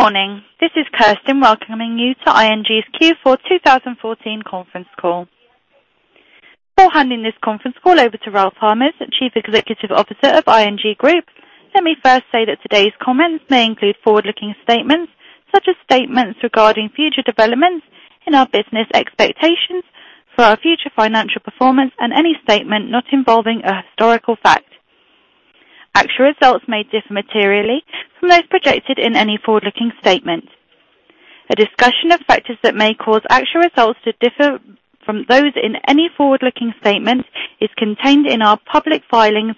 Good morning. This is Kirsten welcoming you to ING's Q4 2014 conference call. Before handing this conference call over to Ralph Hamers, the Chief Executive Officer of ING Group, let me first say that today's comments may include forward-looking statements, such as statements regarding future developments in our business expectations for our future financial performance and any statement not involving a historical fact. Actual results may differ materially from those projected in any forward-looking statement. A discussion of factors that may cause actual results to differ from those in any forward-looking statement is contained in our public filings,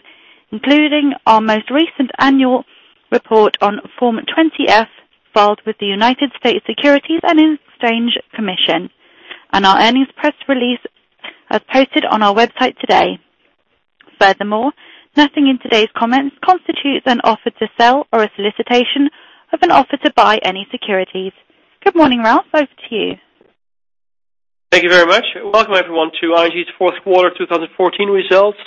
including our most recent annual report on Form 20-F, filed with the United States Securities and Exchange Commission, and our earnings press release as posted on our website today. Nothing in today's comments constitutes an offer to sell or a solicitation of an offer to buy any securities. Good morning, Ralph. Over to you. Thank you very much. Welcome everyone to ING's fourth quarter 2014 results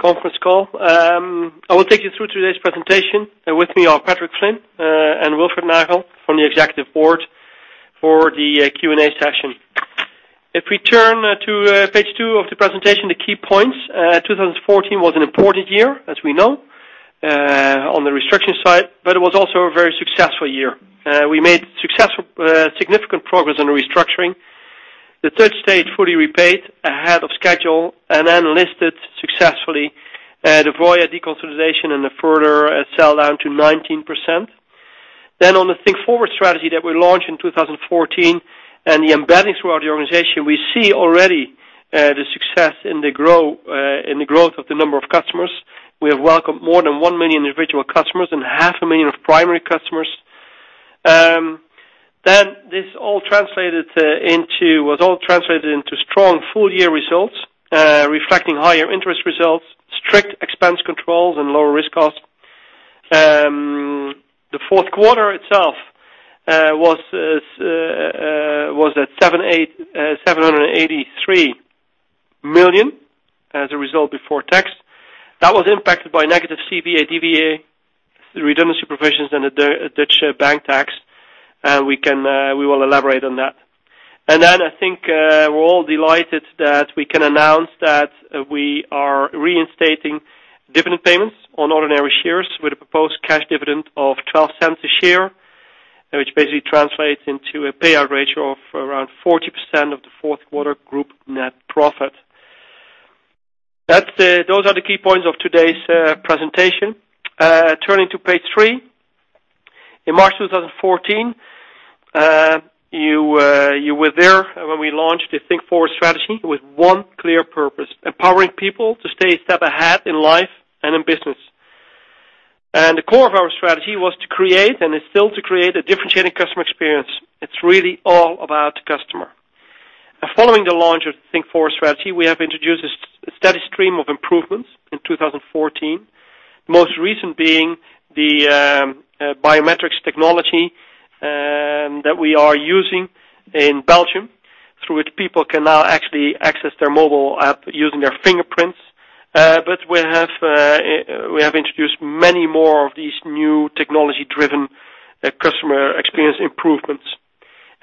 conference call. I will take you through today's presentation. With me are Patrick Flynn and Wilfred Nagel from the Executive Board for the Q&A session. If we turn to page two of the presentation, the key points. 2014 was an important year, as we know, on the restructuring side, it was also a very successful year. We made significant progress on the restructuring. The Dutch state fully repaid ahead of schedule and listed successfully the Voya deconsolidation and a further sell-down to 19%. On the Think Forward strategy that we launched in 2014 and the embedding throughout the organization, we see already the success in the growth of the number of customers. We have welcomed more than 1 million individual customers and half a million of primary customers. This all was translated into strong full-year results, reflecting higher interest results, strict expense controls, and lower risk cost. The fourth quarter itself was at 783 million as a result before tax. That was impacted by negative CVA/DVA, the redundancy provisions, and the Dutch bank tax, and we will elaborate on that. I think we're all delighted that we can announce that we are reinstating dividend payments on ordinary shares with a proposed cash dividend of 0.12 a share, which basically translates into a payout ratio of around 40% of the fourth quarter group net profit. Those are the key points of today's presentation. Turning to page three. In March 2014, you were there when we launched the Think Forward strategy with one clear purpose: empowering people to stay a step ahead in life and in business. The core of our strategy was to create, and is still to create, a differentiating customer experience. It's really all about the customer. Following the launch of Think Forward strategy, we have introduced a steady stream of improvements in 2014. Most recent being the biometrics technology that we are using in Belgium, through which people can now actually access their mobile app using their fingerprints. We have introduced many more of these new technology-driven customer experience improvements.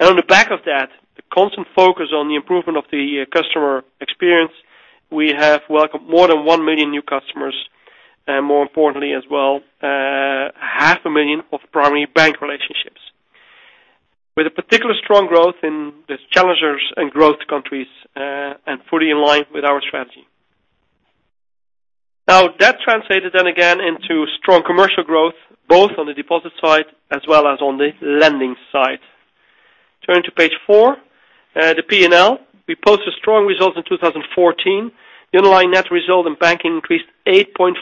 On the back of that, the constant focus on the improvement of the customer experience, we have welcomed more than 1 million new customers, and more importantly as well, half a million of primary bank relationships. With a particular strong growth in these challengers and growth countries, and fully in line with our strategy. That translated then again into strong commercial growth, both on the deposit side as well as on the lending side. Turning to page four, the P&L. We posted strong results in 2014. The underlying net result in banking increased 8.5%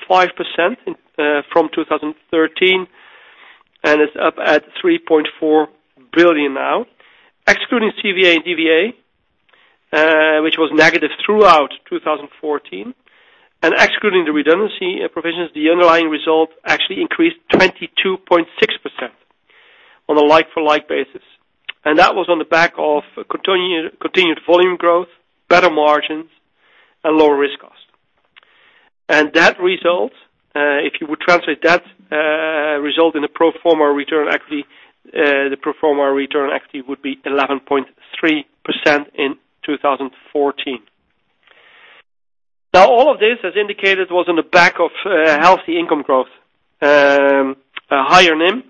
from 2013, and it's up at 3.4 billion now. Excluding CVA and DVA, which was negative throughout 2014, and excluding the redundancy provisions, the underlying result actually increased 22.6% on a like-for-like basis. That was on the back of continued volume growth, better margins, and lower risk cost. That result, if you would translate that result in the pro forma return on equity, the pro forma return on equity would be 11.3% in 2014. All of this, as indicated, was on the back of healthy income growth, a higher NIM,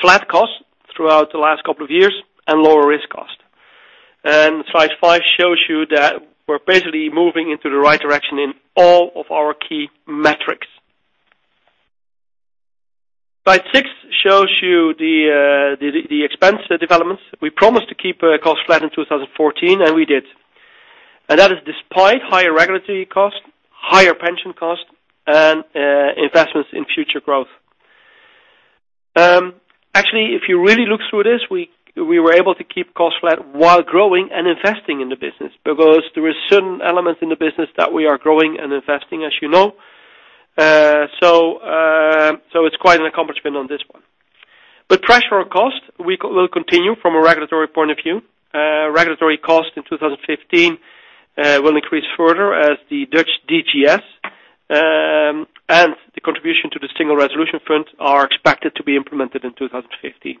flat cost throughout the last couple of years, and lower risk cost. Slide five shows you that we're basically moving into the right direction in all of our key metrics. Slide six shows you the expense developments. We promised to keep costs flat in 2014, and we did. That is despite higher regulatory cost, higher pension cost, and investments in future growth. Actually, if you really look through this, we were able to keep costs flat while growing and investing in the business because there are certain elements in the business that we are growing and investing, as you know. It's quite an accomplishment on this one. The pressure on cost will continue from a regulatory point of view. Regulatory cost in 2015 will increase further as the Dutch DGS and the contribution to the Single Resolution Fund are expected to be implemented in 2015.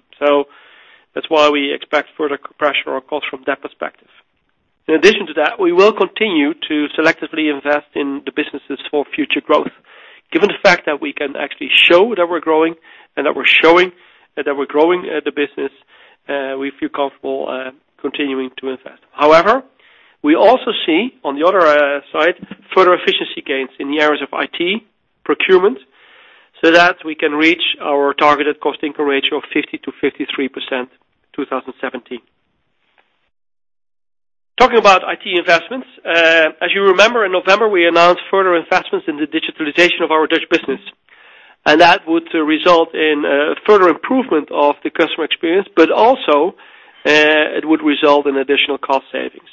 That's why we expect further pressure on costs from that perspective. In addition to that, we will continue to selectively invest in the businesses for future growth. Given the fact that we can actually show that we're growing, and that we're showing that we're growing the business, we feel comfortable continuing to invest. However, we also see on the other side, further efficiency gains in the areas of IT procurement, so that we can reach our targeted cost-income ratio of 50%-53% 2017. Talking about IT investments. As you remember, in November, we announced further investments in the digitalization of our Dutch business. That would result in further improvement of the customer experience, but also, it would result in additional cost savings.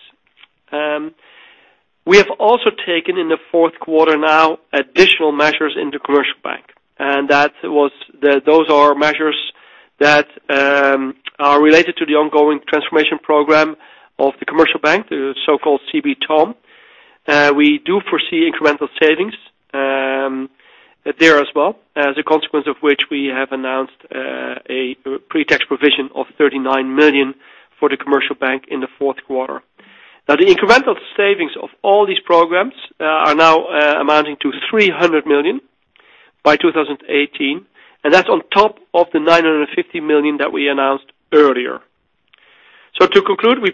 We have also taken in the fourth quarter now, additional measures in the commercial bank. Those are measures that are related to the ongoing transformation program of the commercial bank, the so-called CB TOM. We do foresee incremental savings there as well, as a consequence of which we have announced a pre-tax provision of 39 million for the commercial bank in the fourth quarter. The incremental savings of all these programs are now amounting to 300 million by 2018, and that's on top of the 950 million that we announced earlier. To conclude, we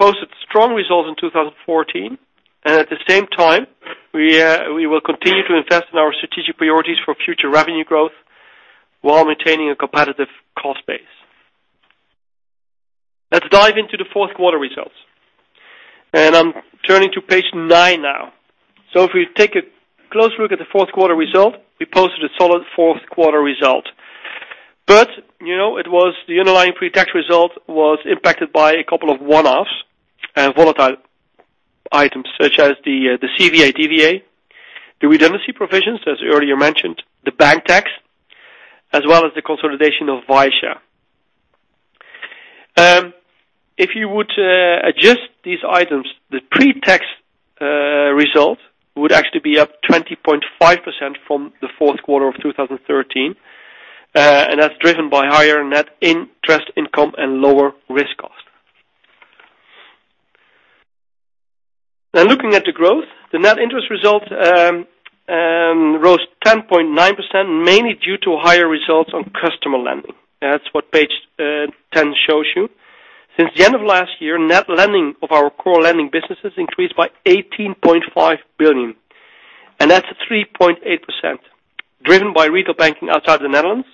posted strong results in 2014, and at the same time, we will continue to invest in our strategic priorities for future revenue growth while maintaining a competitive cost base. Let's dive into the fourth quarter results. I'm turning to page nine now. If we take a close look at the fourth quarter result, we posted a solid fourth-quarter result. The underlying pre-tax result was impacted by a couple of one-offs and volatile items such as the CVA/DVA, the redundancy provisions, as earlier mentioned, the bank tax, as well as the consolidation of Vysya. If you would adjust these items, the pre-tax result would actually be up 20.5% from the fourth quarter of 2013. That's driven by higher net interest income and lower risk cost. Looking at the growth. The net interest result rose 10.9%, mainly due to higher results on customer lending. That's what page 10 shows you. Since the end of last year, net lending of our core lending businesses increased by 18.5 billion, and that's 3.8%, driven by retail banking outside the Netherlands,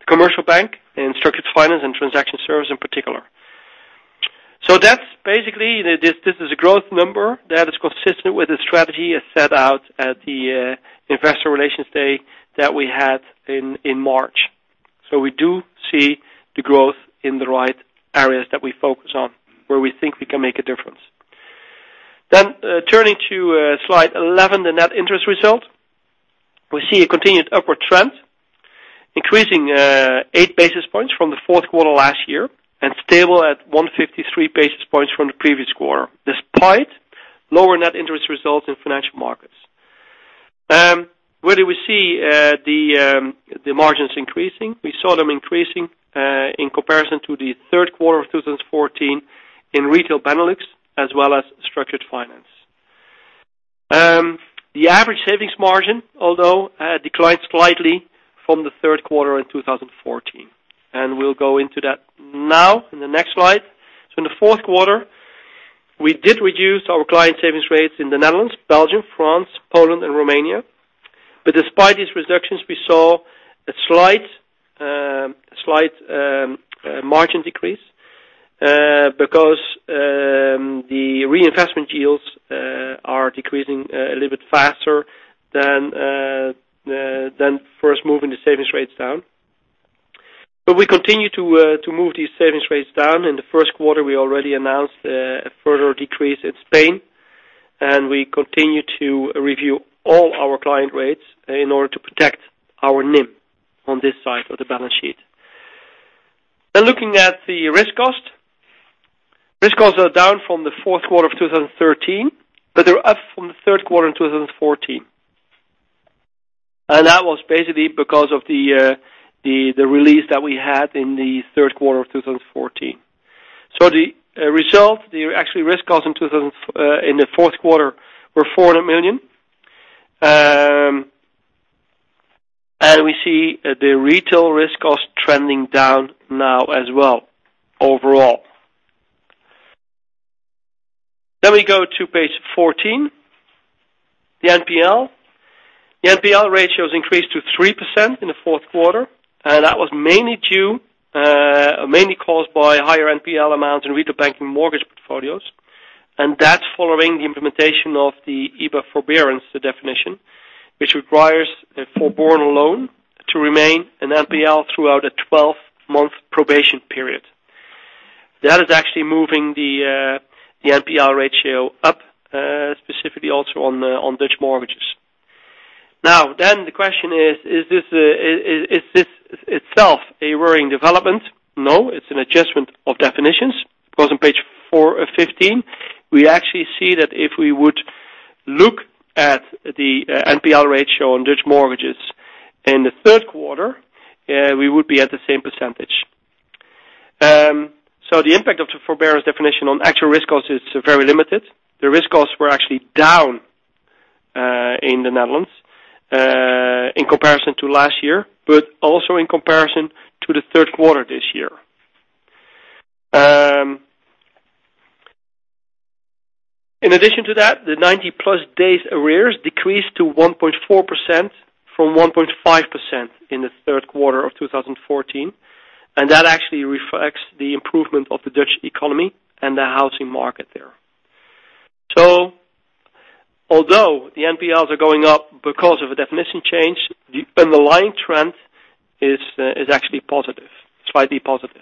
the commercial bank, and structured finance and transaction services in particular. This is a growth number that is consistent with the strategy as set out at the investor relations day that we had in March. We do see the growth in the right areas that we focus on, where we think we can make a difference. Turning to slide 11, the net interest result. We see a continued upward trend, increasing eight basis points from the fourth quarter last year and stable at 153 basis points from the previous quarter, despite lower net interest results in financial markets. Where do we see the margins increasing? We saw them increasing in comparison to the third quarter of 2014 in retail Benelux as well as structured finance. The average savings margin, although, declined slightly from the third quarter in 2014, we'll go into that now in the next slide. In the fourth quarter, we did reduce our client savings rates in the Netherlands, Belgium, France, Poland, and Romania. Despite these reductions, we saw a slight margin decrease because the reinvestment yields are decreasing a little bit faster than first moving the savings rates down. We continue to move these savings rates down. In the first quarter, we already announced a further decrease in Spain, and we continue to review all our client rates in order to protect our NIM on this side of the balance sheet. Looking at the risk cost. Risk costs are down from the fourth quarter of 2013, they're up from the third quarter in 2014. That was because of the release that we had in the third quarter of 2014. The result, the actual risk cost in the fourth quarter were 400 million. We see the retail risk cost trending down now as well overall. We go to page 14, the NPL. The NPL ratios increased to 3% in the fourth quarter, and that was mainly caused by higher NPL amounts in retail banking mortgage portfolios. That's following the implementation of the EBA forbearance definition, which requires a forborne loan to remain an NPL throughout a 12-month probation period. That is actually moving the NPL ratio up, specifically also on Dutch mortgages. The question is: Is this itself a worrying development? No, it's an adjustment of definitions. Go to page four of 15. We actually see that if we would look at the NPL ratio on Dutch mortgages in the third quarter, we would be at the same percentage. The impact of the forbearance definition on actual risk costs is very limited. The risk costs were actually down in the Netherlands in comparison to last year, but also in comparison to the third quarter this year. In addition to that, the 90-plus days arrears decreased to 1.4% from 1.5% in the third quarter of 2014, and that actually reflects the improvement of the Dutch economy and the housing market there. Although the NPLs are going up because of a definition change, the underlying trend is actually positive. Slightly positive.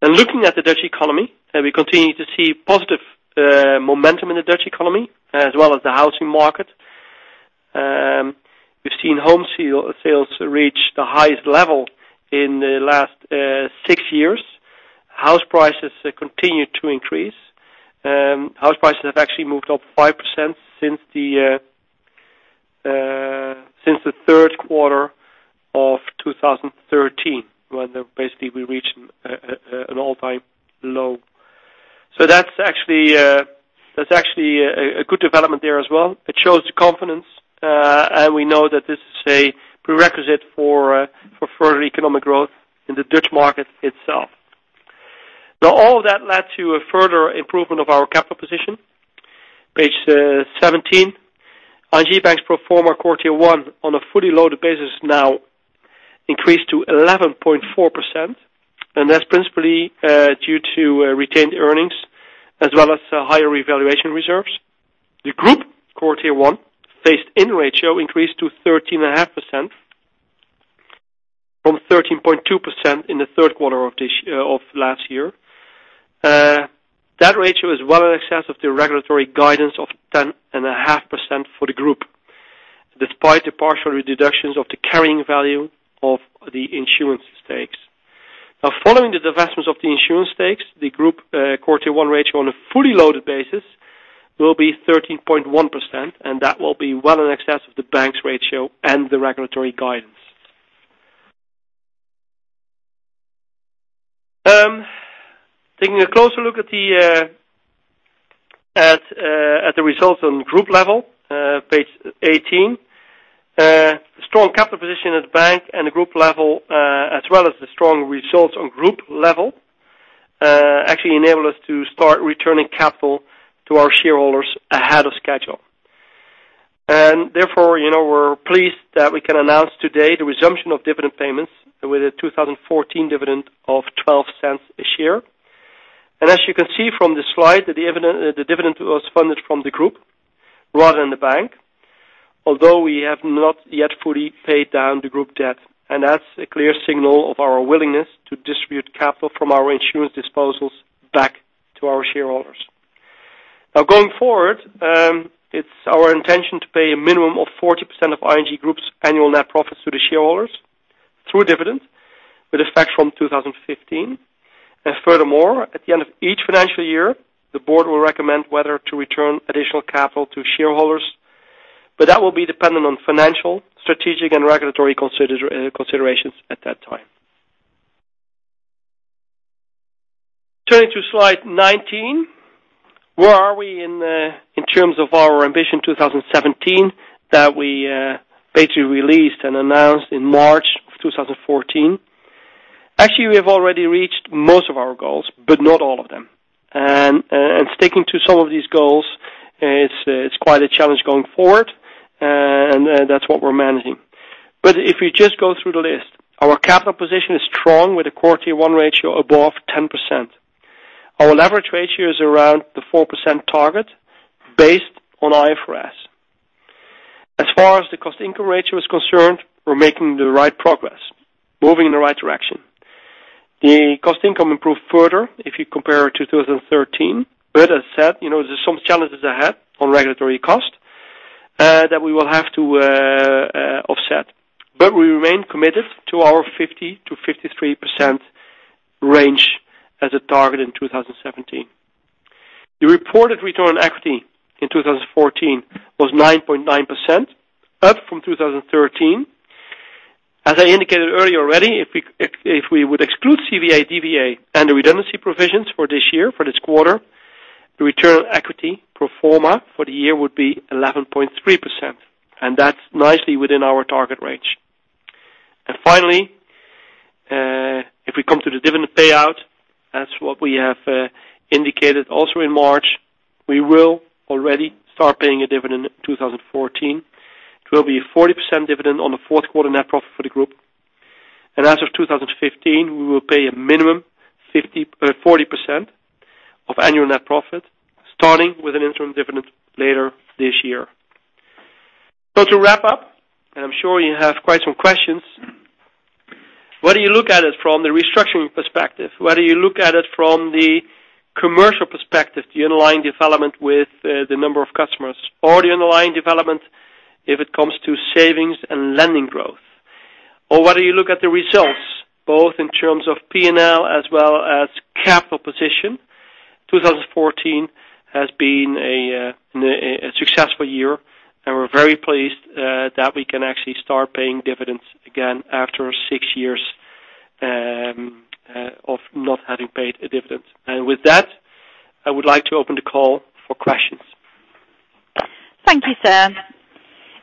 Looking at the Dutch economy, we continue to see positive momentum in the Dutch economy as well as the housing market. We've seen home sales reach the highest level in the last six years. House prices continue to increase. House prices have actually moved up 5% since the third quarter of 2013, when basically we reached an all-time low. That's actually a good development there as well. It shows the confidence, and we know that this is a prerequisite for further economic growth in the Dutch market itself. All that led to a further improvement of our capital position. Page 17. ING Bank's pro forma Core Tier 1 on a fully loaded basis now increased to 11.4%, and that's principally due to retained earnings as well as higher revaluation reserves. The group Core Tier 1 phased-in ratio increased to 13.5% from 13.2% in the third quarter of last year. That ratio is well in excess of the regulatory guidance of 10.5% for the group, despite the partial reductions of the carrying value of the insurance stakes. Following the divestments of the insurance stakes, the group Core Tier 1 ratio on a fully loaded basis will be 13.1%, and that will be well in excess of the bank's ratio and the regulatory guidance. Taking a closer look at the results on group level, page 18. Strong capital position at the bank and the group level, as well as the strong results on group level, actually enable us to start returning capital to our shareholders ahead of schedule. Therefore, we're pleased that we can announce today the resumption of dividend payments with a 2014 dividend of 0.12 a share. As you can see from the slide, the dividend was funded from the group rather than the bank, although we have not yet fully paid down the group debt. That's a clear signal of our willingness to distribute capital from our insurance disposals back to our shareholders. Going forward, it's our intention to pay a minimum of 40% of ING Group's annual net profits to the shareholders through dividends, with effect from 2015. Furthermore, at the end of each financial year, the board will recommend whether to return additional capital to shareholders. That will be dependent on financial, strategic, and regulatory considerations at that time. Turning to slide 19. Where are we in terms of our Think Forward 2017 that we basically released and announced in March of 2014? Actually, we have already reached most of our goals, but not all of them. Sticking to some of these goals, it is quite a challenge going forward, and that is what we are managing. If you just go through the list, our capital position is strong with a Core Tier 1 ratio above 10%. Our leverage ratio is around the 4% target, based on IFRS. As far as the cost-income ratio is concerned, we are making the right progress, moving in the right direction. The cost-income improved further if you compare 2013. As I said, there is some challenges ahead on regulatory cost that we will have to offset. We remain committed to our 50%-53% range as a target in 2017. The reported return on equity in 2014 was 9.9%, up from 2013. As I indicated earlier already, if we would exclude CVA, DVA, and the redundancy provisions for this year, for this quarter, the return on equity pro forma for the year would be 11.3%, and that is nicely within our target range. Finally, if we come to the dividend payout, that is what we have indicated also in March. We will already start paying a dividend in 2014. It will be a 40% dividend on the fourth quarter net profit for the group. As of 2015, we will pay a minimum 40% of annual net profit, starting with an interim dividend later this year. To wrap up, I am sure you have quite some questions, whether you look at it from the restructuring perspective, whether you look at it from the commercial perspective, the underlying development with the number of customers or the underlying development if it comes to savings and lending growth. Whether you look at the results, both in terms of P&L as well as capital position, 2014 has been a successful year, and we are very pleased that we can actually start paying dividends again after six years of not having paid a dividend. With that, I would like to open the call for questions. Thank you, sir.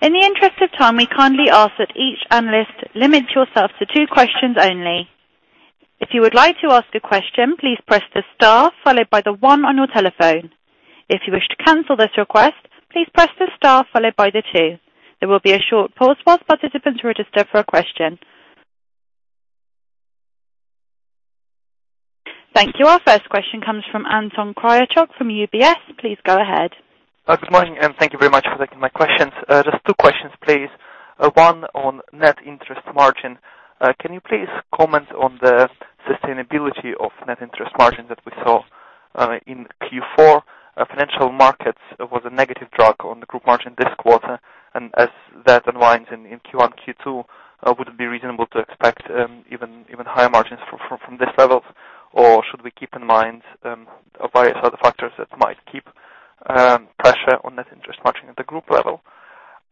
In the interest of time, we kindly ask that each analyst limit yourself to two questions only. If you would like to ask a question, please press the star followed by the 1 on your telephone. If you wish to cancel this request, please press the star followed by the 2. There will be a short pause whilst participants register for a question. Thank you. Our first question comes from Anton Kryachok from UBS. Please go ahead. Good morning, thank you very much for taking my questions. Just two questions, please. One on net interest margin. Can you please comment on the sustainability of net interest margin that we saw in Q4? Financial markets was a negative drag on the group margin this quarter, and as that unwinds in Q1, Q2, would it be reasonable to expect even higher margins from this level? Should we keep in mind various other factors that might keep pressure on net interest margin at the group level?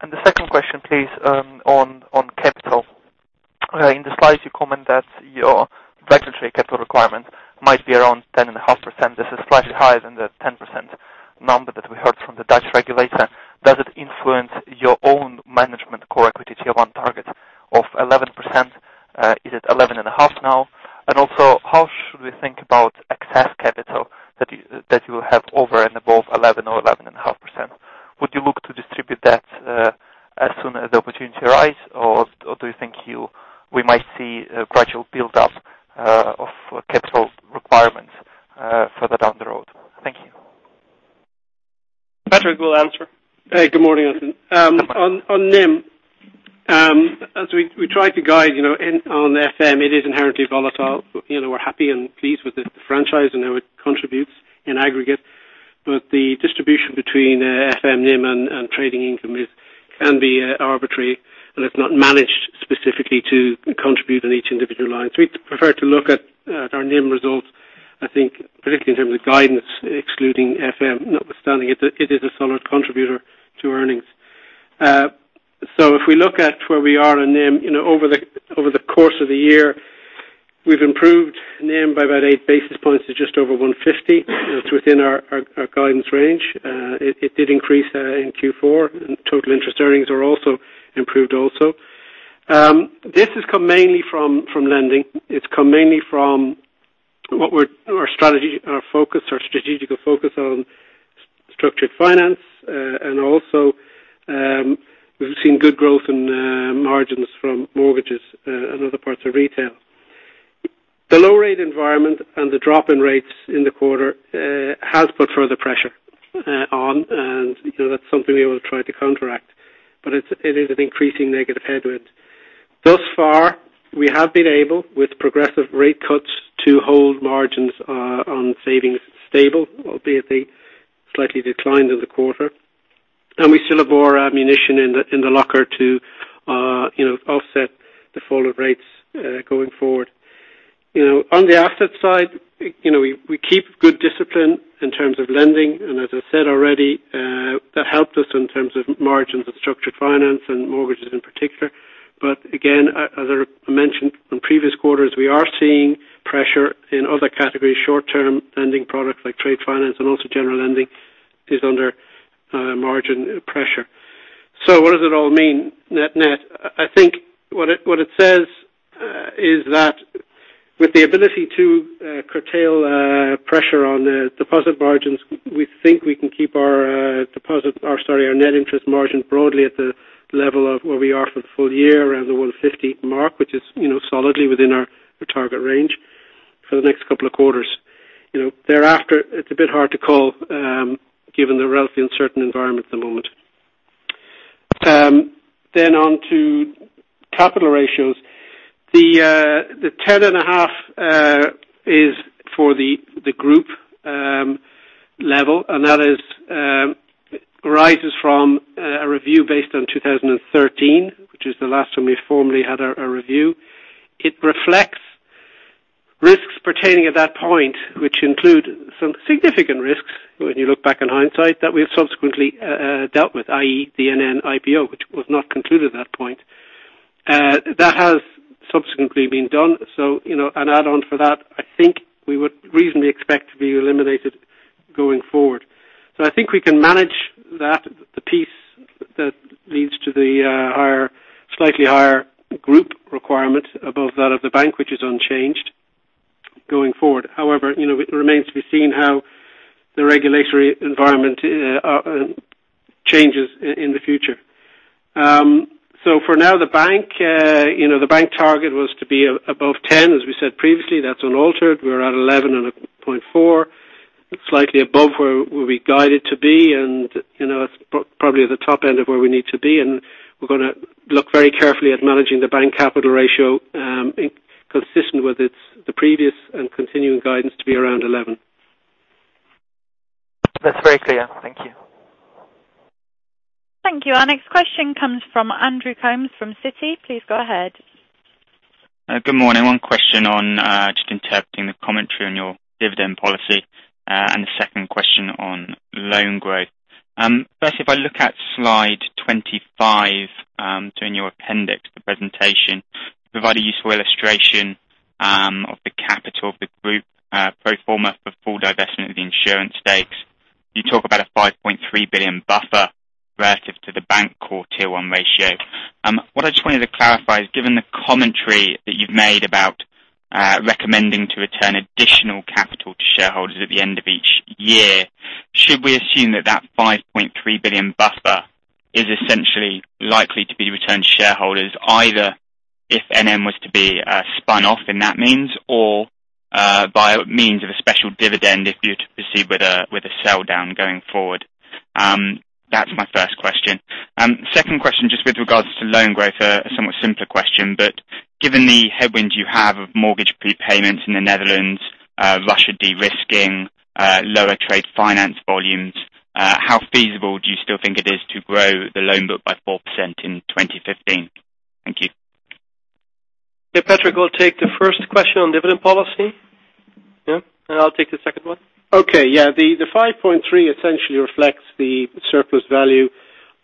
The second question please, on capital. In the slides you comment that your regulatory capital requirement might be around 10.5%. This is slightly higher than the 10% number that we heard from the Dutch regulator. Does it influence your own management core equity Tier 1 target of 11%? Is it 11.5% now? Also, how should we think about excess capital that you will have over and above 11% or 11.5%? Would you look to distribute that as soon as the opportunity arise? Do you think we might see a gradual build up of capital requirements further down the road? Thank you. Patrick will answer. Good morning, Anton. On NIM, as we tried to guide on FM, it is inherently volatile. We're happy and pleased with the franchise and how it contributes in aggregate, but the distribution between FM NIM and trading income can be arbitrary, and it's not managed specifically to contribute on each individual line. We'd prefer to look at our NIM results, I think particularly in terms of guidance, excluding FM, notwithstanding it is a solid contributor to earnings. If we look at where we are on NIM, over the course of the year, we've improved NIM by about eight basis points to just over 150. It's within our guidance range. It did increase in Q4, and total interest earnings are also improved. This has come mainly from lending. It's come mainly from our strategical focus on structured finance. Also, we've seen good growth in margins from mortgages and other parts of retail. The low rate environment and the drop in rates in the quarter has put further pressure on. That's something we will try to counteract, but it is an increasing negative headwind. Thus far, we have been able, with progressive rate cuts, to hold margins on savings stable, albeit they slightly declined in the quarter. We still have more ammunition in the locker to offset the fall of rates going forward. On the asset side, we keep good discipline in terms of lending. As I said already, that helped us in terms of margins of structured finance and mortgages in particular. Again, as I mentioned on previous quarters, we are seeing pressure in other categories, short-term lending products like trade finance, also general lending is under margin pressure. What does it all mean net-net? I think what it says is that with the ability to curtail pressure on deposit margins, we think we can keep our net interest margin broadly at the level of where we are for the full year, around the 150 mark, which is solidly within our target range for the next couple of quarters. Thereafter, it's a bit hard to call, given the relatively uncertain environment at the moment. On to capital ratios. The 10.5 is for the group level. That arises from a review based on 2013, which is the last time we formally had a review. It reflects risks pertaining at that point, which include some significant risks when you look back in hindsight, that we have subsequently dealt with, i.e., the NN IPO, which was not concluded at that point. That has subsequently been done. An add-on for that, I think we would reasonably expect to be eliminated going forward. I think we can manage that, the piece that leads to the slightly higher group requirement above that of the bank, which is unchanged going forward. However, it remains to be seen how the regulatory environment changes in the future. For now, the bank target was to be above 10, as we said previously. That's unaltered. We're at 11.4 Slightly above where we guided to be. It's probably at the top end of where we need to be. We're going to look very carefully at managing the bank capital ratio, consistent with the previous and continuing guidance to be around 11. That's very clear. Thank you. Thank you. Our next question comes from Andrew Coombs from Citi. Please go ahead. Good morning. One question on just interpreting the commentary on your dividend policy, and the second question on loan growth. First, if I look at slide 25, during your appendix, the presentation provide a useful illustration of the capital of the group, pro forma for full divestment of the insurance stakes. You talk about a 5.3 billion buffer relative to the bank Core Tier 1 ratio. What I just wanted to clarify is, given the commentary that you've made about recommending to return additional capital to shareholders at the end of each year, should we assume that that 5.3 billion buffer is essentially likely to be returned to shareholders, either if NN was to be spun off in that means, or by means of a special dividend if you're to proceed with a sell-down going forward? That's my first question. Second question, just with regards to loan growth, a somewhat simpler question, but given the headwinds you have of mortgage prepayments in the Netherlands, Russia de-risking, lower trade finance volumes, how feasible do you still think it is to grow the loan book by 4% in 2015? Thank you. Yeah. Patrick will take the first question on dividend policy. Yeah, I'll take the second one. Okay, yeah. The 5.3 essentially reflects the surplus value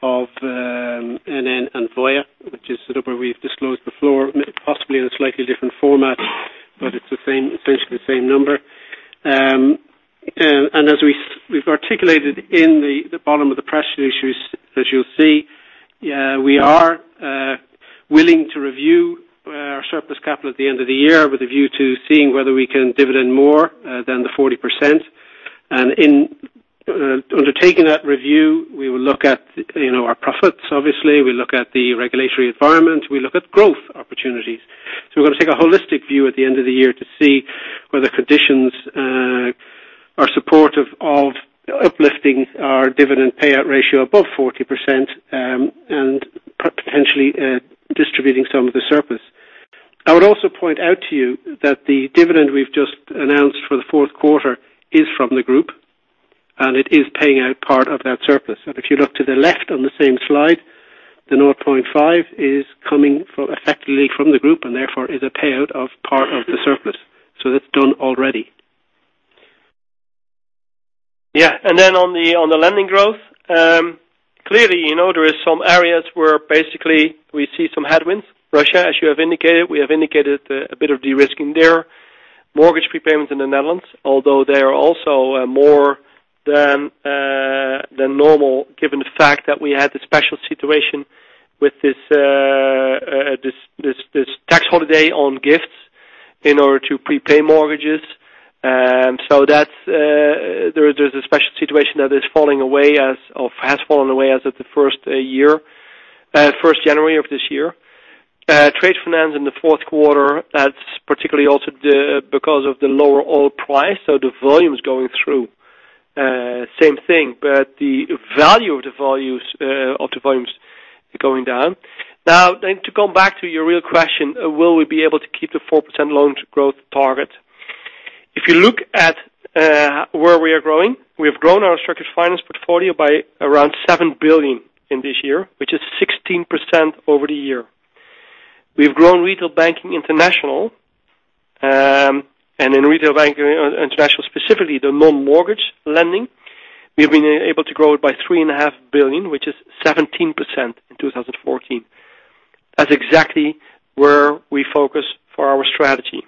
of NN and Voya, which is sort of where we've disclosed the floor, possibly in a slightly different format, but it's essentially the same number. As we've articulated in the bottom of the press releases, as you'll see, we are willing to review our surplus capital at the end of the year with a view to seeing whether we can dividend more than the 40%. In undertaking that review, we will look at our profits, obviously. We'll look at the regulatory environment. We'll look at growth opportunities. We're going to take a holistic view at the end of the year to see whether conditions are supportive of uplifting our dividend payout ratio above 40%, and potentially distributing some of the surplus. I would also point out to you that the dividend we've just announced for the fourth quarter is from the group, and it is paying out part of that surplus. If you look to the left on the same slide, the 0.5 is coming effectively from the group, and therefore is a payout of part of the surplus. That's done already. Yeah. On the lending growth, clearly, there is some areas where basically we see some headwinds. Russia, as you have indicated, we have indicated a bit of de-risking there. Mortgage prepayments in the Netherlands, although they are also more than normal given the fact that we had a special situation with this tax holiday on gifts in order to prepay mortgages. There's a special situation that is falling away, or has fallen away as of the first January of this year. Trade finance in the fourth quarter, that's particularly also because of the lower oil price. The volume is going through. Same thing, but the value of the volumes are going down. To come back to your real question, will we be able to keep the 4% loan growth target? If you look at where we are growing, we have grown our structured finance portfolio by around $7 billion in this year, which is 16% over the year. We've grown Retail Banking International. In Retail Banking International, specifically, the non-mortgage lending, we have been able to grow it by $3.5 billion, which is 17% in 2014. That's exactly where we focus for our strategy.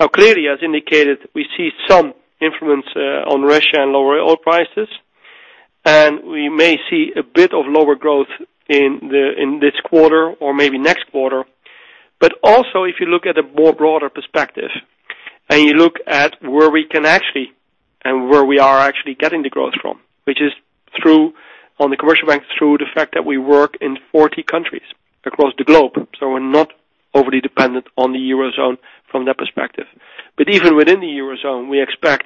Clearly, as indicated, we see some influence on Russia and lower oil prices, and we may see a bit of lower growth in this quarter or maybe next quarter. Also, if you look at a more broader perspective, and you look at where we can actually, and where we are actually getting the growth from, which is on the commercial bank, through the fact that we work in 40 countries across the globe. We're not overly dependent on the Eurozone from that perspective. Even within the Eurozone, we expect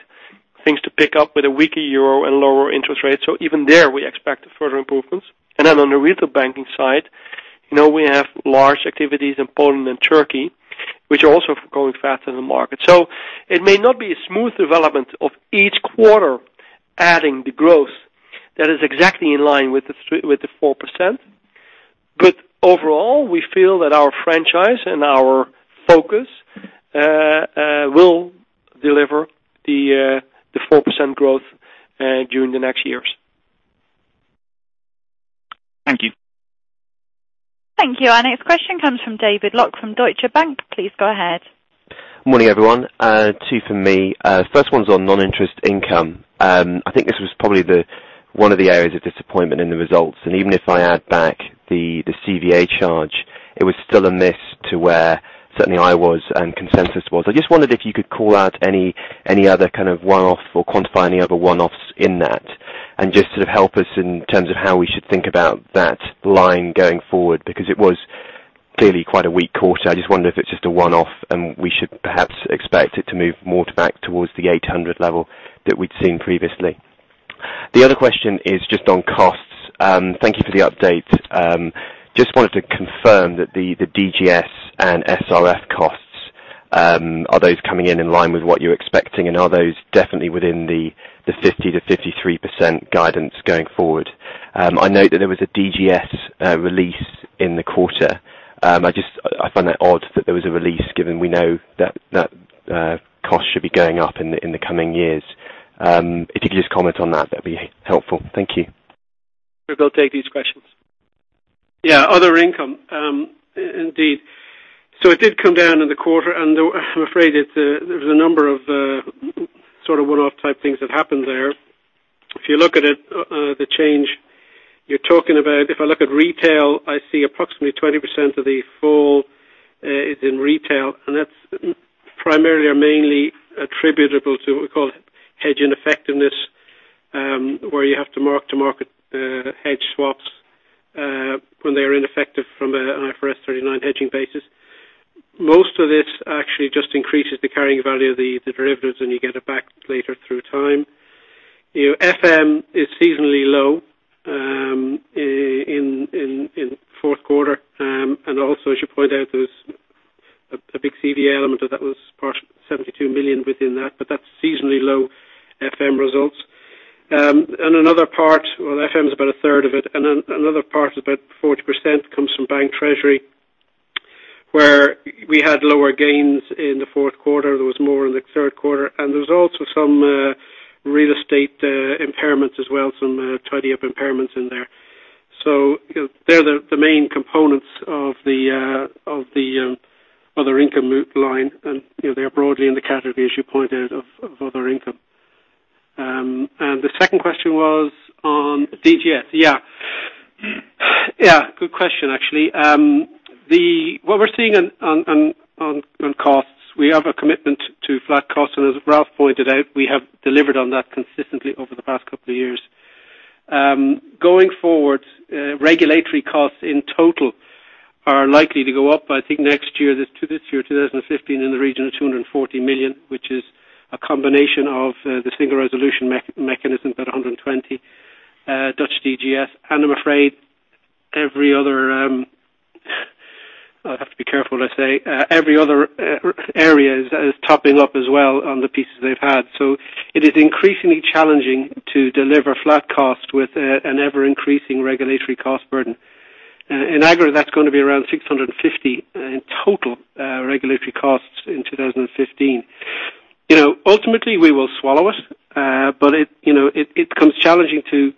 things to pick up with a weaker euro and lower interest rates. Even there, we expect further improvements. Then on the retail banking side, we have large activities in Poland and Turkey, which are also growing faster than market. It may not be a smooth development of each quarter adding the growth that is exactly in line with the 4%. Overall, we feel that our franchise and our focus will deliver the 4% growth during the next years. Thank you. Thank you. Our next question comes from David Lock from Deutsche Bank. Please go ahead. Morning, everyone. Two from me. First one's on non-interest income. I think this was probably one of the areas of disappointment in the results. Even if I add back the CVA charge, it was still a miss to where certainly I was and consensus was. I just wondered if you could call out any other kind of one-off or quantify any other one-offs in that. Just to help us in terms of how we should think about that line going forward, because it was clearly quite a weak quarter. I just wonder if it's just a one-off, and we should perhaps expect it to move more back towards the 800 level that we'd seen previously. The other question is just on costs. Thank you for the update. Just wanted to confirm that the DGS and SRF costs, are those coming in in line with what you're expecting, and are those definitely within the 50%-53% guidance going forward? I note that there was a DGS release in the quarter. I find that odd that there was a release given we know that cost should be going up in the coming years. If you could just comment on that'd be helpful. Thank you. Sure. [inaudible] take these questions. Yeah, other income. Indeed. It did come down in the quarter, and I'm afraid there was a number of sort of one-off type things that happened there. If you look at it, the change you're talking about, if I look at retail, I see approximately 20% of the fall is in retail, and that's primarily or mainly attributable to what we call hedge ineffectiveness, where you have to mark to market hedge swaps when they're ineffective from an IFRS 39 hedging basis. Most of this actually just increases the carrying value of the derivatives, and you get it back later through time. FM is seasonally low in fourth quarter. I should point out there's a big CVA element of that was 72 million within that, but that's seasonally low FM results. Another part, FM is about a third of it, another part, about 40%, comes from bank treasury, where we had lower gains in the fourth quarter. There was more in the third quarter. There was also some real estate impairments as well, some tidy-up impairments in there. They're the main components of the other income line, and they're broadly in the category, as you pointed out, of other income. The second question was on DGS. Good question, actually. What we're seeing on costs, we have a commitment to flat costs, and as Ralph pointed out, we have delivered on that consistently over the past couple of years. Going forward, regulatory costs, in total, are likely to go up, I think, next year. This year, 2015, in the region of 240 million, which is a combination of the Single Resolution Mechanism at 120 Dutch DGS. I'm afraid every other area is topping up as well on the pieces they've had. It is increasingly challenging to deliver flat cost with an ever-increasing regulatory cost burden. In aggregate, that's going to be around 650 in total regulatory costs in 2015. Ultimately, we will swallow it comes challenging to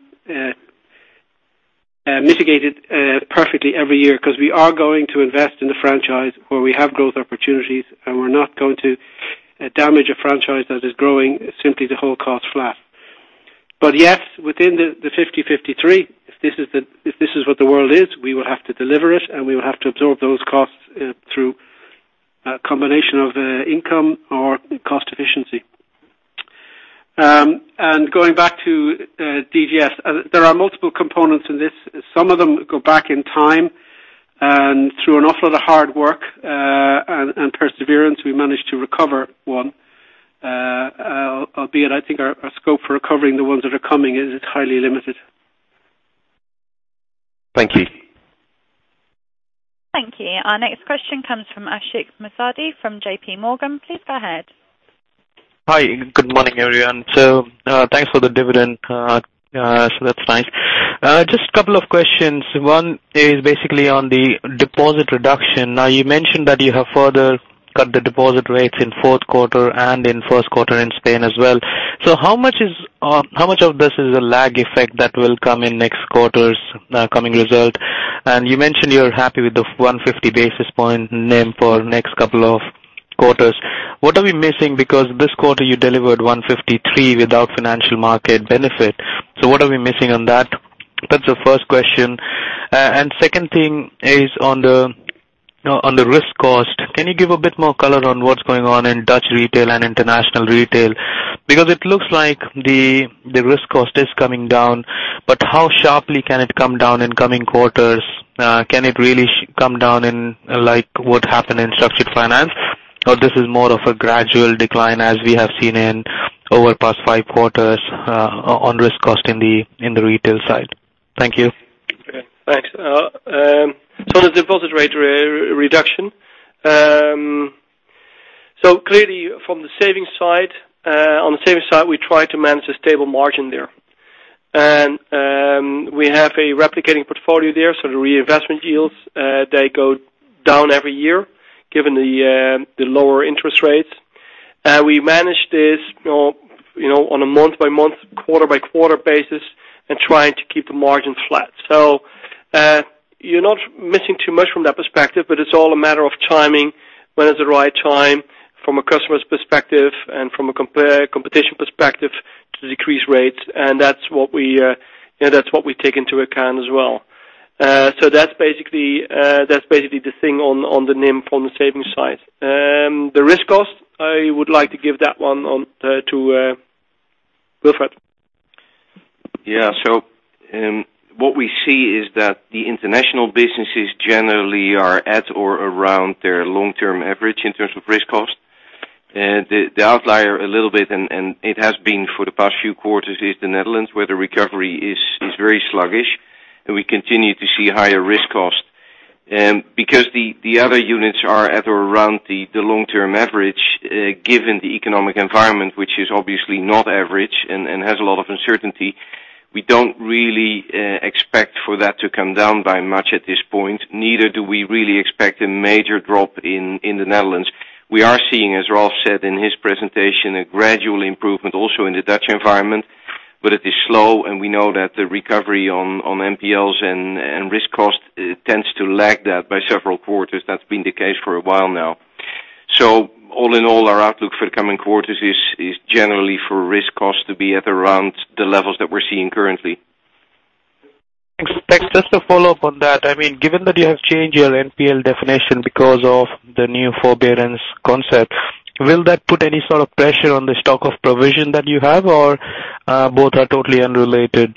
mitigate it perfectly every year because we are going to invest in the franchise where we have growth opportunities, and we're not going to damage a franchise that is growing simply to hold costs flat. Yes, within the 50/53, if this is what the world is, we will have to deliver it, and we will have to absorb those costs through a combination of income or cost efficiency. Going back to DGS, there are multiple components in this. Some of them go back in time, and through an awful lot of hard work and perseverance, we managed to recover one, albeit I think our scope for recovering the ones that are coming is highly limited. Thank you. Thank you. Our next question comes from Ashik Musaddi from JPMorgan. Please go ahead. Hi. Good morning, everyone. Thanks for the dividend. That's nice. Just a couple of questions. One is basically on the deposit reduction. You mentioned that you have further cut the deposit rates in fourth quarter and in first quarter in Spain as well. How much of this is a lag effect that will come in next quarter's coming result? You mentioned you're happy with the 150 basis point NIM for next couple of quarters. What are we missing? Because this quarter you delivered 153 without financial market benefit. What are we missing on that? That's the first question. Second thing is on the risk cost. Can you give a bit more color on what's going on in Dutch retail and international retail? Because it looks like the risk cost is coming down, but how sharply can it come down in coming quarters? Can it really come down in like what happened in structured finance? This is more of a gradual decline as we have seen in over past five quarters, on risk cost in the retail side. Thank you. Okay. Thanks. The deposit rate reduction. Clearly, from the savings side, on the savings side, we try to manage a stable margin there. We have a replicating portfolio there, so the reinvestment yields, they go down every year given the lower interest rates. We manage this on a month-by-month, quarter-by-quarter basis and trying to keep the margin flat. You're not missing too much from that perspective, but it's all a matter of timing, when is the right time from a customer's perspective and from a competition perspective to decrease rates, and that's what we take into account as well. That's basically the thing on the NIM from the savings side. The risk cost, I would like to give that one to Wilfred. Yeah. What we see is that the international businesses generally are at or around their long-term average in terms of risk cost. The outlier a little bit, and it has been for the past few quarters, is the Netherlands, where the recovery is very sluggish, and we continue to see higher risk cost. The other units are at or around the long-term average, given the economic environment, which is obviously not average and has a lot of uncertainty, we don't really expect for that to come down by much at this point. Neither do we really expect a major drop in the Netherlands. We are seeing, as Ralph said in his presentation, a gradual improvement also in the Dutch environment, but it is slow, and we know that the recovery on NPLs and risk cost tends to lag that by several quarters. That's been the case for a while now. All in all, our outlook for the coming quarters is generally for risk cost to be at around the levels that we're seeing currently. Thanks. Just to follow up on that. Given that you have changed your NPL definition because of the new forbearance concept, will that put any sort of pressure on the stock of provision that you have, or both are totally unrelated?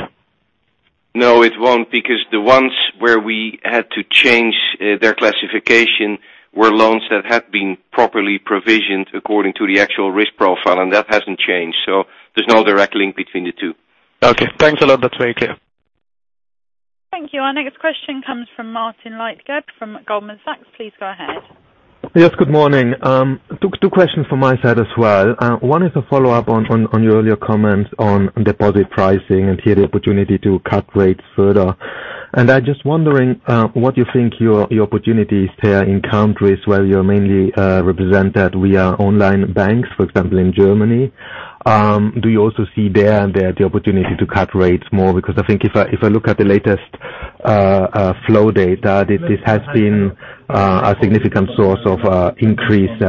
No, it won't because the ones where we had to change their classification were loans that had been properly provisioned according to the actual risk profile and that hasn't changed. There's no direct link between the two. Okay. Thanks a lot. That's very clear. Thank you. Our next question comes from Martin Leitgeb from Goldman Sachs. Please go ahead. Yes, good morning. Two questions from my side as well. One is a follow-up on your earlier comments on deposit pricing and here the opportunity to cut rates further. I'm just wondering what you think your opportunities there in countries where you're mainly represented via online banks, for example, in Germany. Do you also see there the opportunity to cut rates more? I think if I look at the latest flow data, this has been a significant source of increased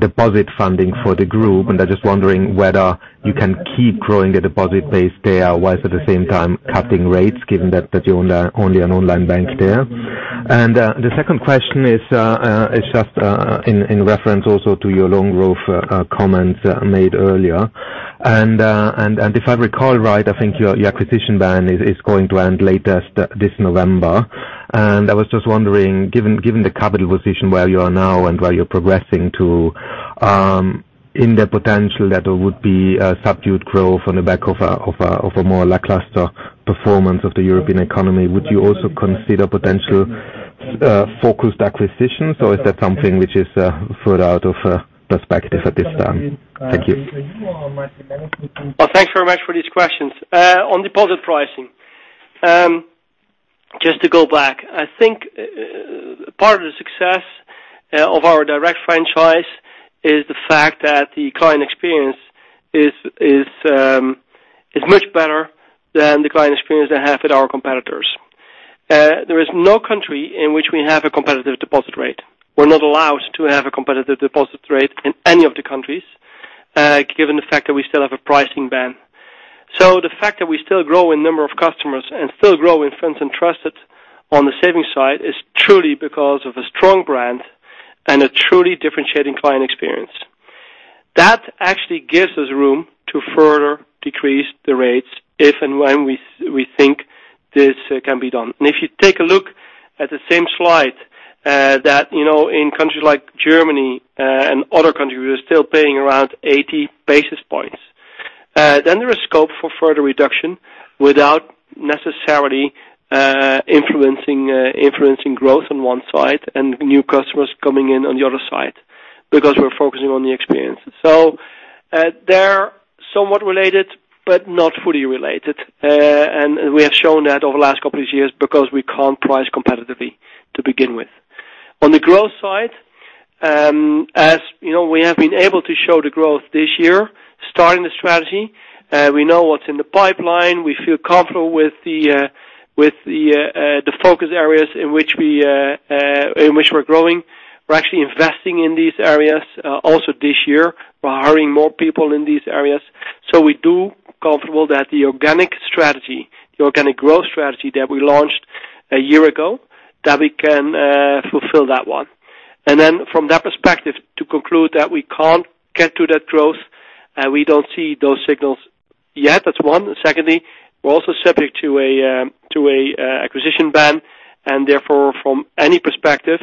deposit funding for the group, and I'm just wondering whether you can keep growing the deposit base there whilst at the same time cutting rates, given that you own only an online bank there. The second question is just in reference also to your loan growth comments made earlier. If I recall right, I think your acquisition ban is going to end later this November. I was just wondering, given the capital position where you are now and where you're progressing to in the potential that would be subdued growth on the back of a more lackluster performance of the European economy, would you also consider potential focused acquisitions or is that something which is further out of perspective at this time? Thank you. Well, thanks very much for these questions. On deposit pricing, just to go back, I think part of the success of our direct franchise is the fact that the client experience is much better than the client experience they have at our competitors. There is no country in which we have a competitive deposit rate. We're not allowed to have a competitive deposit rate in any of the countries, given the fact that we still have a pricing ban. The fact that we still grow in number of customers and still grow in funds and trusted on the savings side is truly because of a strong brand and a truly differentiating client experience. That actually gives us room to further decrease the rates if and when we think this can be done. If you take a look at the same slide, that in countries like Germany and other countries, we are still paying around 80 basis points. There is scope for further reduction without necessarily influencing growth on one side and new customers coming in on the other side because we're focusing on the experience. They're somewhat related but not fully related. We have shown that over the last couple years because we can't price competitively to begin with. On the growth side, as we have been able to show the growth this year, starting the strategy, we know what's in the pipeline. We feel comfortable with the focus areas in which we're growing. We're actually investing in these areas also this year. We're hiring more people in these areas. We do comfortable that the organic growth strategy that we launched a year ago, that we can fulfill that one. From that perspective, to conclude that we can't get to that growth, we don't see those signals yet. That's one. Secondly, we're also subject to a acquisition ban and therefore from any perspective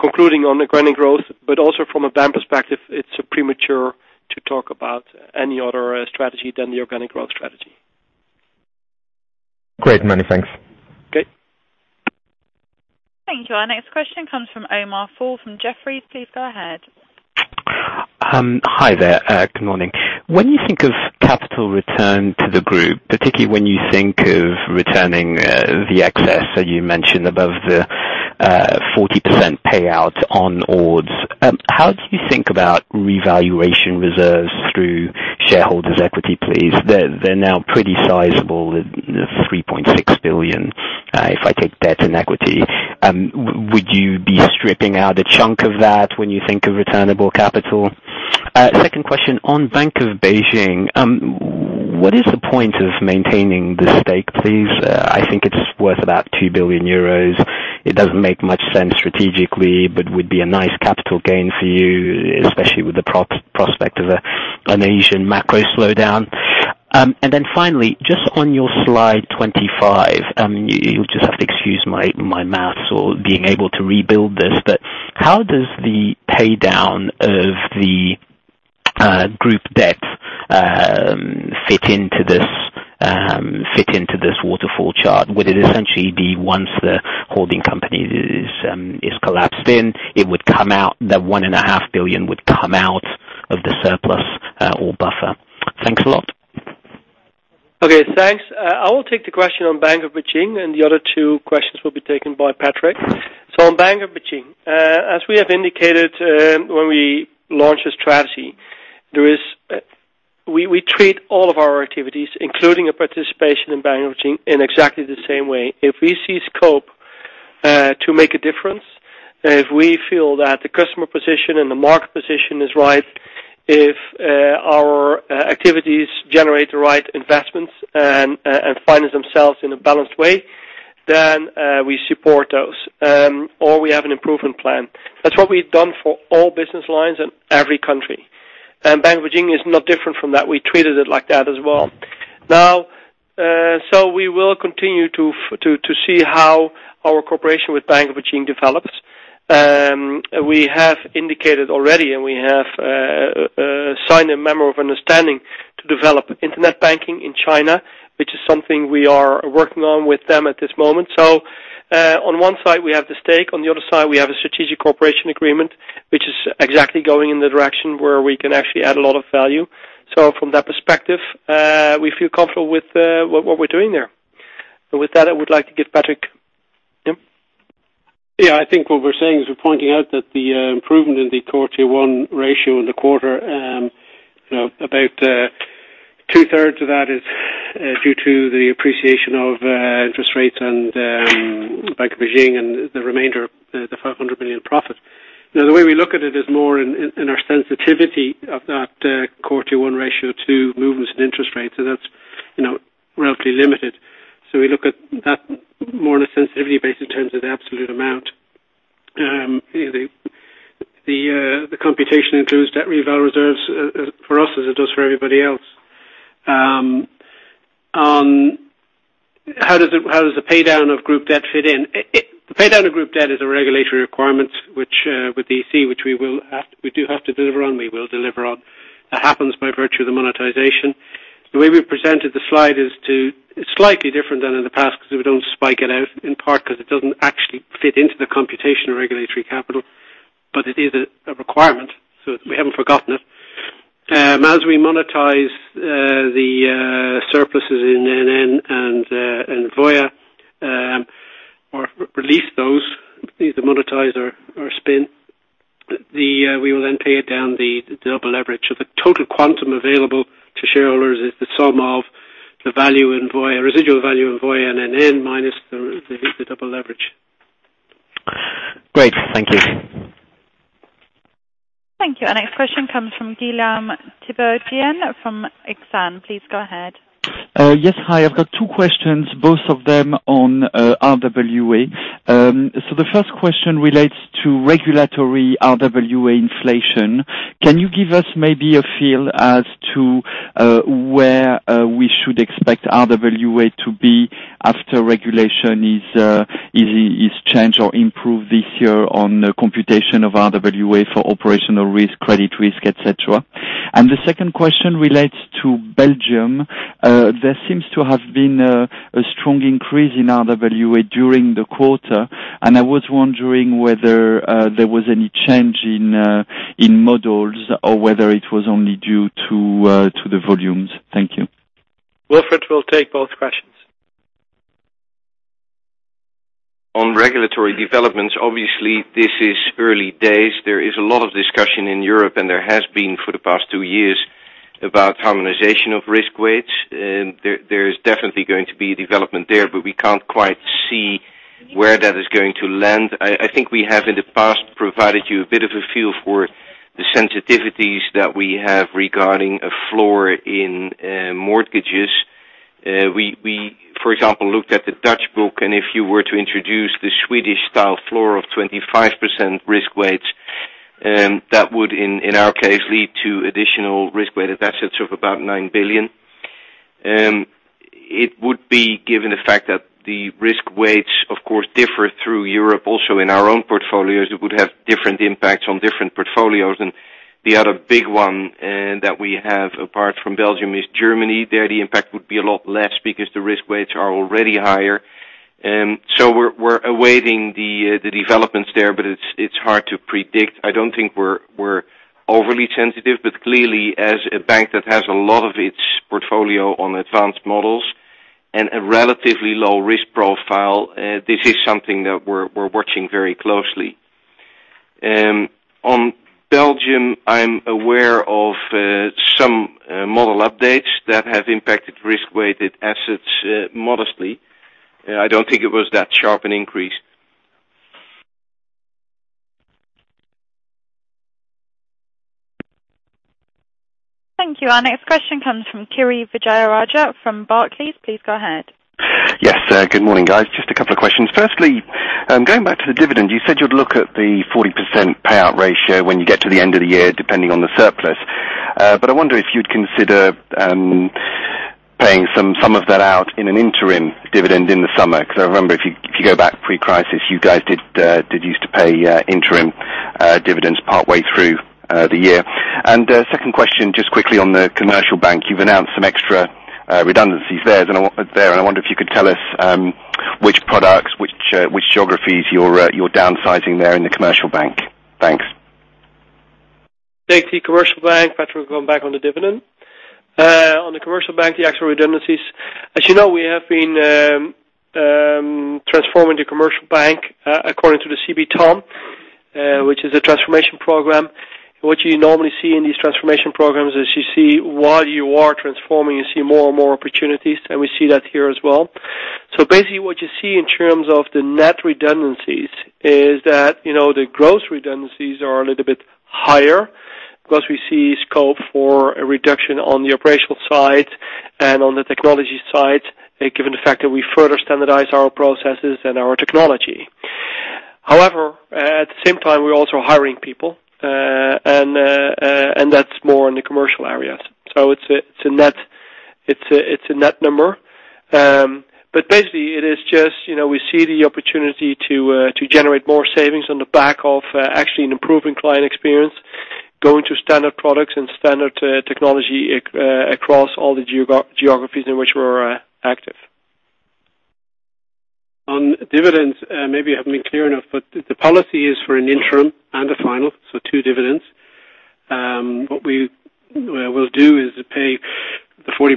concluding on the grounding growth, but also from a ban perspective, it's premature to talk about any other strategy than the organic growth strategy. Great, many thanks. Okay. Thank you. Our next question comes from Omar Fall from Jefferies. Please go ahead. Hi there. Good morning. When you think of capital return to the group, particularly when you think of returning the excess that you mentioned above the 40% payout on awards, how do you think about revaluation reserves through shareholders' equity, please? They're now pretty sizable at 3.6 billion, if I take debt and equity. Would you be stripping out a chunk of that when you think of returnable capital? Second question, on Bank of Beijing, what is the point of maintaining this stake, please? I think it's worth about 2 billion euros. It doesn't make much sense strategically, but would be a nice capital gain for you, especially with the prospect of an Asian macro slowdown. Finally, just on your slide 25. You'll just have to excuse my math or being able to rebuild this. How does the pay down of the group debt fit into this waterfall chart? Would it essentially be once the holding company is collapsed in, the 1.5 billion would come out of the surplus or buffer? Thanks a lot. Okay, thanks. I will take the question on Bank of Beijing, and the other two questions will be taken by Patrick. On Bank of Beijing. As we have indicated when we launched the strategy, we treat all of our activities, including a participation in Bank of Beijing, in exactly the same way. If we see scope to make a difference, if we feel that the customer position and the market position is right, if our activities generate the right investments and finance themselves in a balanced way, then we support those, or we have an improvement plan. That's what we've done for all business lines in every country. Bank of Beijing is not different from that. We treated it like that as well. We will continue to see how our cooperation with Bank of Beijing develops. We have indicated already, we have signed a memo of understanding to develop internet banking in China, which is something we are working on with them at this moment. On one side, we have the stake, on the other side, we have a strategic cooperation agreement, which is exactly going in the direction where we can actually add a lot of value. From that perspective, we feel comfortable with what we're doing there. With that, I would like to give Patrick. Yeah. Yeah, I think what we're saying is we're pointing out that the improvement in the Core Tier 1 ratio in the quarter, about two-thirds of that is due to the appreciation of interest rates and Bank of Beijing and the remainder, the 500 million profit. The way we look at it is more in our sensitivity of that Core Tier 1 ratio to movements in interest rates. That's roughly limited. We look at that more on a sensitivity basis in terms of the absolute amount. The computation includes debt reval reserves for us as it does for everybody else. On how does the pay down of group debt fit in. The pay down of group debt is a regulatory requirement, with the EC, which we do have to deliver on, we will deliver on. That happens by virtue of the monetization. The way we presented the slide is slightly different than in the past because we don't spike it out, in part because it doesn't actually fit into the computation of regulatory capital, but it is a requirement, we haven't forgotten it. As we monetize the surpluses in NN and Voya or release those, either monetize or spin, we will then pay it down the double leverage. The total quantum available to shareholders is the sum of the residual value in Voya and NN, minus the double leverage. Great. Thank you. Thank you. Our next question comes from Guillaume Tiberghien from Exane. Please go ahead. Yes. Hi. I've got two questions, both of them on RWA. The first question relates to regulatory RWA inflation. Can you give us maybe a feel as to where we should expect RWA to be after regulation is changed or improved this year on computation of RWA for operational risk, credit risk, et cetera? The second question relates to Belgium. There seems to have been a strong increase in RWA during the quarter, and I was wondering whether there was any change in models or whether it was only due to the volumes. Thank you. Wilfred will take both questions. On regulatory developments, obviously this is early days. There is a lot of discussion in Europe, and there has been for the past two years about harmonization of risk weights. There is definitely going to be a development there, but we can't quite see where that is going to land. I think we have, in the past, provided you a bit of a feel for the sensitivities that we have regarding a floor in mortgages. We, for example, looked at the Dutch book, and if you were to introduce the Swedish style floor of 25% risk weights, that would, in our case, lead to additional risk-weighted assets of about 9 billion. It would be given the fact that the risk weights, of course, differ through Europe. Also, in our own portfolios, it would have different impacts on different portfolios. The other big one that we have, apart from Belgium, is Germany. There, the impact would be a lot less because the risk weights are already higher. We're awaiting the developments there, but it's hard to predict. I don't think we're overly sensitive, but clearly as a bank that has a lot of its portfolio on advanced models and a relatively low risk profile, this is something that we're watching very closely. On Belgium, I'm aware of some model updates that have impacted risk-weighted assets modestly. I don't think it was that sharp an increase. Thank you. Our next question comes from Kiri Vijayarajah from Barclays. Please go ahead. Yes. Good morning, guys. Just a couple of questions. Firstly, going back to the dividend, you said you'd look at the 40% payout ratio when you get to the end of the year, depending on the surplus. I wonder if you'd consider paying some of that out in an interim dividend in the summer, because I remember if you go back pre-crisis, you guys did use to pay interim dividends partway through the year. Second question, just quickly on the commercial bank, you've announced some extra redundancies there, and I wonder if you could tell us which products, which geographies you're downsizing there in the commercial bank. Thanks. Take the commercial bank, Patrick will come back on the dividend. On the commercial bank, the actual redundancies. As you know, we have been transforming the commercial bank, according to the CB TOM, which is a transformation program. What you normally see in these transformation programs is you see while you are transforming, you see more and more opportunities, and we see that here as well. Basically what you see in terms of the net redundancies is that, the gross redundancies are a little bit higher because we see scope for a reduction on the operational side and on the technology side, given the fact that we further standardize our processes and our technology. However, at the same time, we're also hiring people, and that's more in the commercial areas. It's a net number. Basically, it is just, we see the opportunity to generate more savings on the back of actually an improving client experience, going to standard products and standard technology across all the geographies in which we're active. On dividends, maybe I haven't been clear enough, the policy is for an interim and a final, so two dividends. What we will do is pay the 40%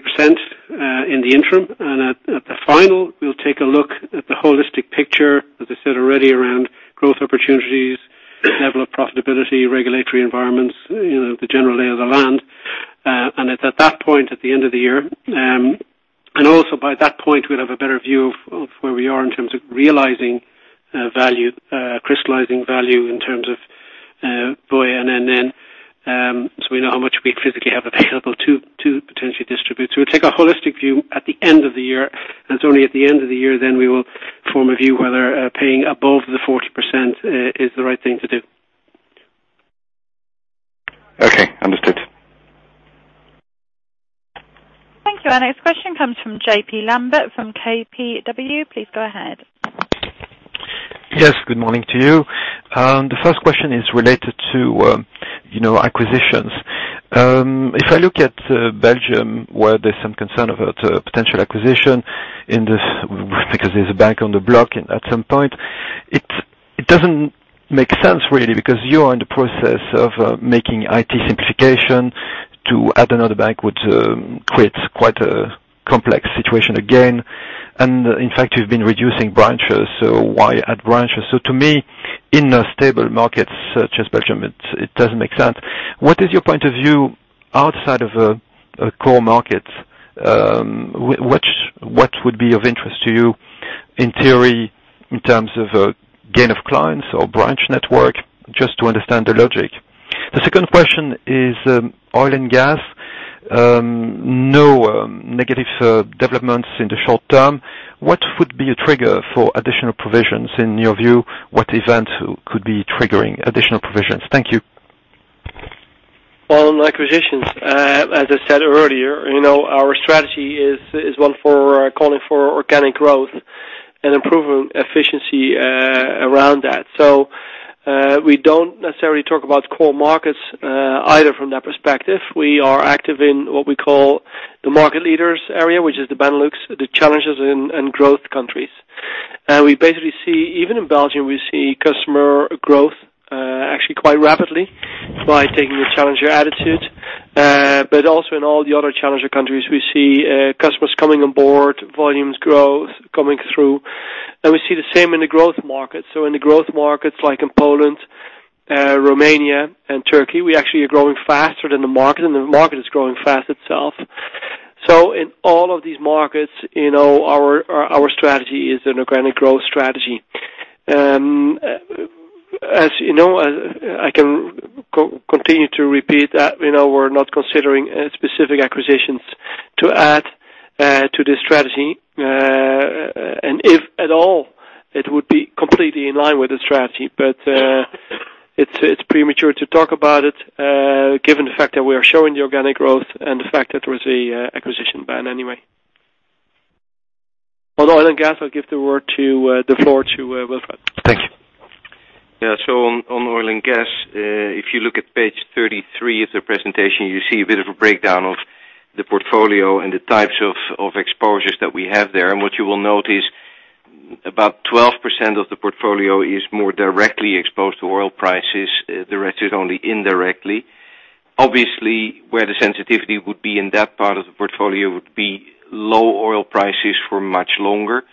in the interim, at the final, we'll take a look at the holistic picture, as I said already, around growth opportunities, level of profitability, regulatory environments, the general lay of the land. It's at that point, at the end of the year, also by that point, we'll have a better view of where we are in terms of realizing value, crystallizing value in terms of BOI and NN. We know how much we physically have available to potentially distribute. We'll take a holistic view at the end of the year, it's only at the end of the year we will form a view whether paying above the 40% is the right thing to do. Okay. Understood. Thank you. Our next question comes from Jean-Pierre Lambert from KBW. Please go ahead. Yes, good morning to you. The first question is related to acquisitions. If I look at Belgium, where there's some concern about potential acquisition in this because there's a bank on the block, at some point, it doesn't make sense really because you are in the process of making IT simplification. To add another bank would create quite a complex situation again. In fact, you've been reducing branches, so why add branches? To me, in a stable market such as Belgium, it doesn't make sense. What is your point of view outside of a core market? What would be of interest to you, in theory, in terms of gain of clients or branch network, just to understand the logic. The second question is oil and gas. No negative developments in the short term. What would be a trigger for additional provisions, in your view? What event could be triggering additional provisions? Thank you. On acquisitions, as I said earlier, our strategy is one for calling for organic growth and improving efficiency around that. We don't necessarily talk about core markets either from that perspective. We are active in what we call the market leaders area, which is the Benelux, the challenges and growth countries. We basically see, even in Belgium, we see customer growth actually quite rapidly by taking the challenger attitude. Also in all the other challenger countries, we see customers coming on board, volumes growth coming through, and we see the same in the growth markets. In the growth markets like in Poland, Romania, and Turkey, we actually are growing faster than the market, and the market is growing fast itself. In all of these markets, our strategy is an organic growth strategy. As you know, I can continue to repeat that we're not considering specific acquisitions to add to this strategy. If at all, it would be completely in line with the strategy. It's premature to talk about it, given the fact that we are showing the organic growth and the fact that there is an acquisition ban anyway. On oil and gas, I'll give the floor to Wilfred. Thanks. Yeah. On oil and gas, if you look at page 33 of the presentation, you see a bit of a breakdown of the portfolio and the types of exposures that we have there. What you will note is about 12% of the portfolio is more directly exposed to oil prices. The rest is only indirectly. Obviously, where the sensitivity would be in that part of the portfolio would be low oil prices for much longer.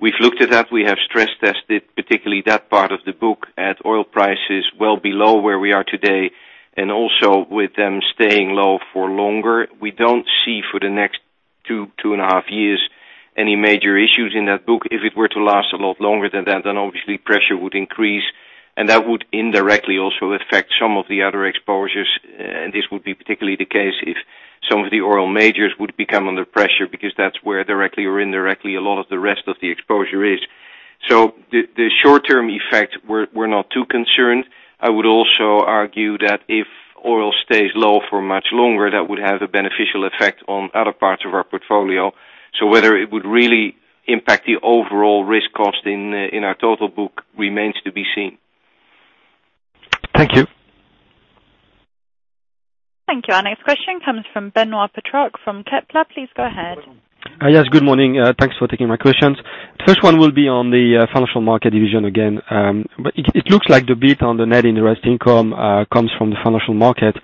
We've looked at that. We have stress tested, particularly that part of the book at oil prices well below where we are today, and also with them staying low for longer. We don't see for the next Two and a half years. Any major issues in that book, if it were to last a lot longer than that, then obviously pressure would increase, and that would indirectly also affect some of the other exposures. This would be particularly the case if some of the oil majors would become under pressure, because that's where directly or indirectly a lot of the rest of the exposure is. The short-term effects, we're not too concerned. I would also argue that if oil stays low for much longer, that would have a beneficial effect on other parts of our portfolio. Whether it would really impact the overall risk cost in our total book remains to be seen. Thank you. Thank you. Our next question comes from Benoît Pétrarque from Kepler. Please go ahead. Yes, good morning. Thanks for taking my questions. First one will be on the financial market division again. It looks like the beat on the net interest income comes from the financial market.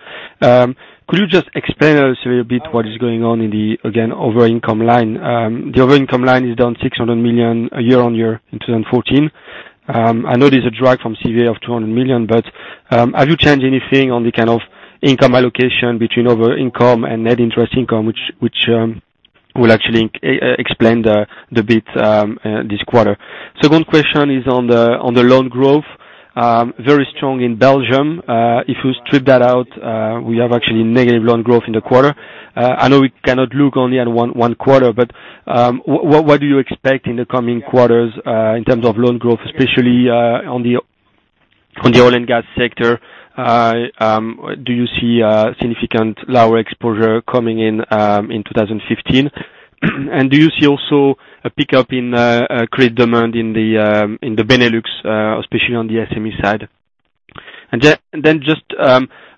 Could you just explain us a little bit what is going on in the other income line? The other income line is down 600 million year-over-year in 2014. I know there's a drag from CVA of 200 million, have you changed anything on the kind of income allocation between other income and net interest income, which will actually explain the beat this quarter? The loan growth. Very strong in Belgium. If you strip that out, we have actually negative loan growth in the quarter. I know we cannot look only at one quarter, what do you expect in the coming quarters in terms of loan growth, especially on the oil and gas sector? Do you see a significant lower exposure coming in 2015? Do you see also a pickup in credit demand in the Benelux, especially on the SME side?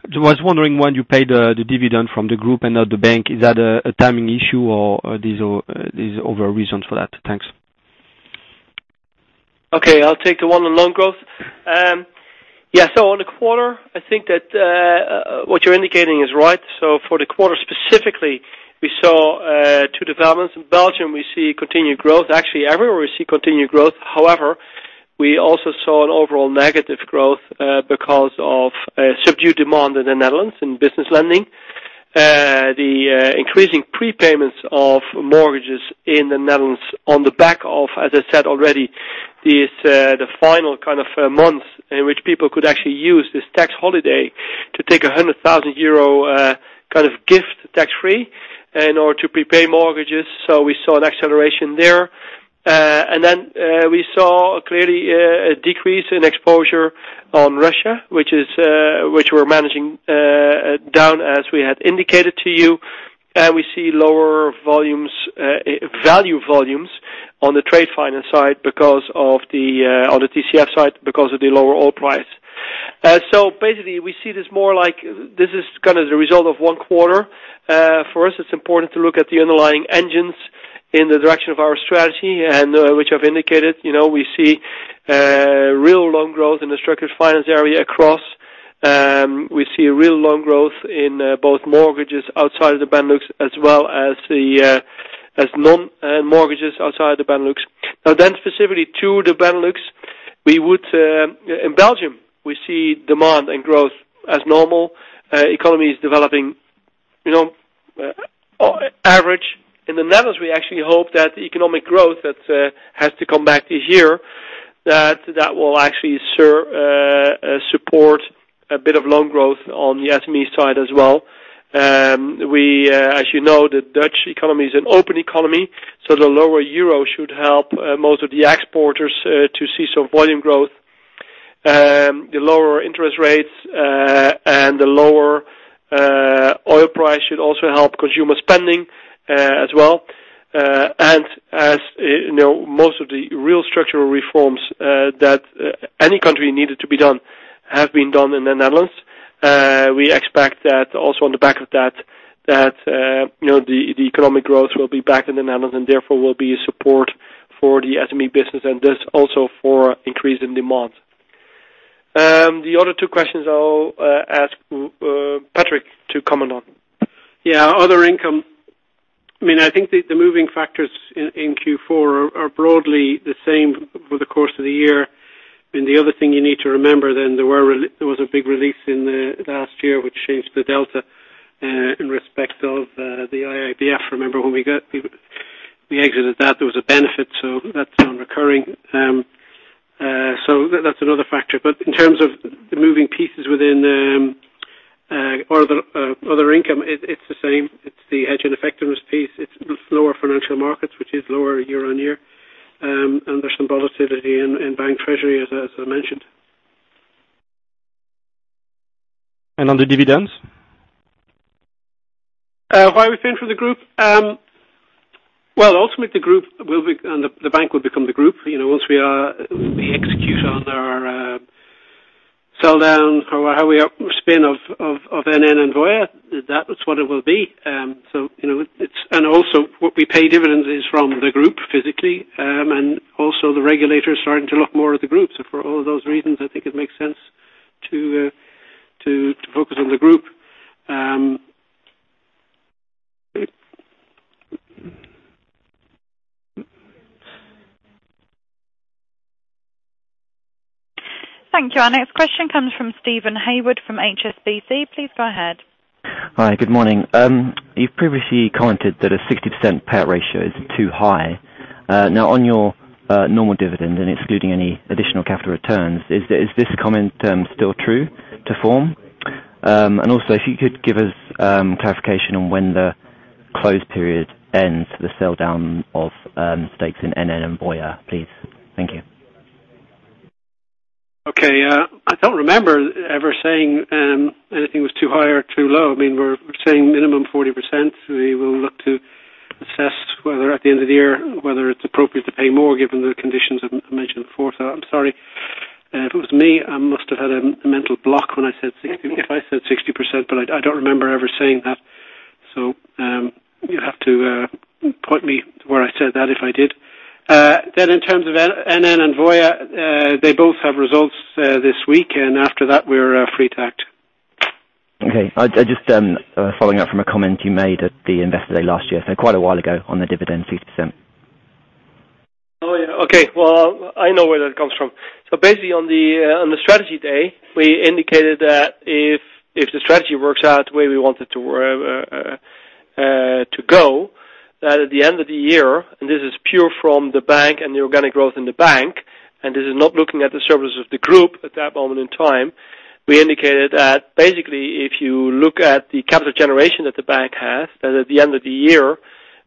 I was wondering why you paid the dividend from the group and not the bank. Is that a timing issue or is there other reasons for that? Thanks. Okay, I'll take the one on loan growth. On the quarter, I think that what you're indicating is right. For the quarter specifically, we saw two developments. In Belgium, we see continued growth. Actually, everywhere we see continued growth. However, we also saw an overall negative growth because of subdued demand in the Netherlands in business lending. The increasing prepayments of mortgages in the Netherlands on the back of, as I said already, the final kind of month in which people could actually use this tax holiday to take a €100,000 kind of gift tax-free in order to prepay mortgages. We saw an acceleration there. We saw clearly a decrease in exposure on Russia, which we're managing down as we had indicated to you. We see lower value volumes on the trade finance side, on the TCF side, because of the lower oil price. We see this more like this is the result of one quarter. For us, it's important to look at the underlying engines in the direction of our strategy, which I've indicated. We see real loan growth in the structured finance area across. We see real loan growth in both mortgages outside of the Benelux, as well as non-mortgages outside the Benelux. Specifically to the Benelux, in Belgium, we see demand and growth as normal. Economy is developing average. In the Netherlands, we actually hope that the economic growth that has to come back this year, that that will actually support a bit of loan growth on the SME side as well. As you know, the Dutch economy is an open economy, the lower EUR should help most of the exporters to see some volume growth. The lower interest rates and the lower oil price should also help consumer spending as well. As most of the real structural reforms that any country needed to be done have been done in the Netherlands, we expect that also on the back of that, the economic growth will be back in the Netherlands and therefore will be a support for the SME business and thus also for increase in demand. The other two questions, I'll ask Patrick to comment on. Yeah, other income. I think the moving factors in Q4 are broadly the same for the course of the year. The other thing you need to remember then, there was a big release in the last year, which changed the delta in respect of the IIBF. Remember when we exited that, there was a benefit, that's non-recurring. That's another factor. In terms of the moving pieces within the other income, it's the same. It's the hedge ineffectiveness piece. It's lower financial markets, which is lower year-on-year. There's some volatility in bank treasury, as I mentioned. On the dividends? Why we pay them for the group. Well, ultimately, the bank will become the group. Once we execute on our sell down, our spin of NN and Voya, that's what it will be. Also, what we pay dividends is from the group physically, and also the regulators starting to look more at the group. For all those reasons, I think it makes sense to focus on the group. Thank you. Our next question comes from Stephen Hayward from HSBC. Please go ahead. Hi, good morning. You've previously commented that a 60% payout ratio is too high. On your normal dividend and excluding any additional capital returns, is this comment still true to form? Also, if you could give us clarification on when the close period ends for the sell-down of stakes in NN and Voya, please. Thank you. Okay. I don't remember ever saying anything was too high or too low. We're saying minimum 40%. We will look to assess whether at the end of the year, whether it's appropriate to pay more given the conditions I mentioned before. I'm sorry, if it was me, I must have had a mental block when I said 60%, but I don't remember ever saying that. You have to point me to where I said that if I did. In terms of NN and Voya, they both have results this week, and after that, we're free to act. Okay. Just following up from a comment you made at the investor day last year, so quite a while ago, on the dividend 50%. I know where that comes from. Basically, on the strategy day, we indicated that if the strategy works out the way we want it to go, that at the end of the year, and this is pure from the bank and the organic growth in the bank, and this is not looking at the surplus of the group at that moment in time. We indicated that basically, if you look at the capital generation that the bank has, that at the end of the year,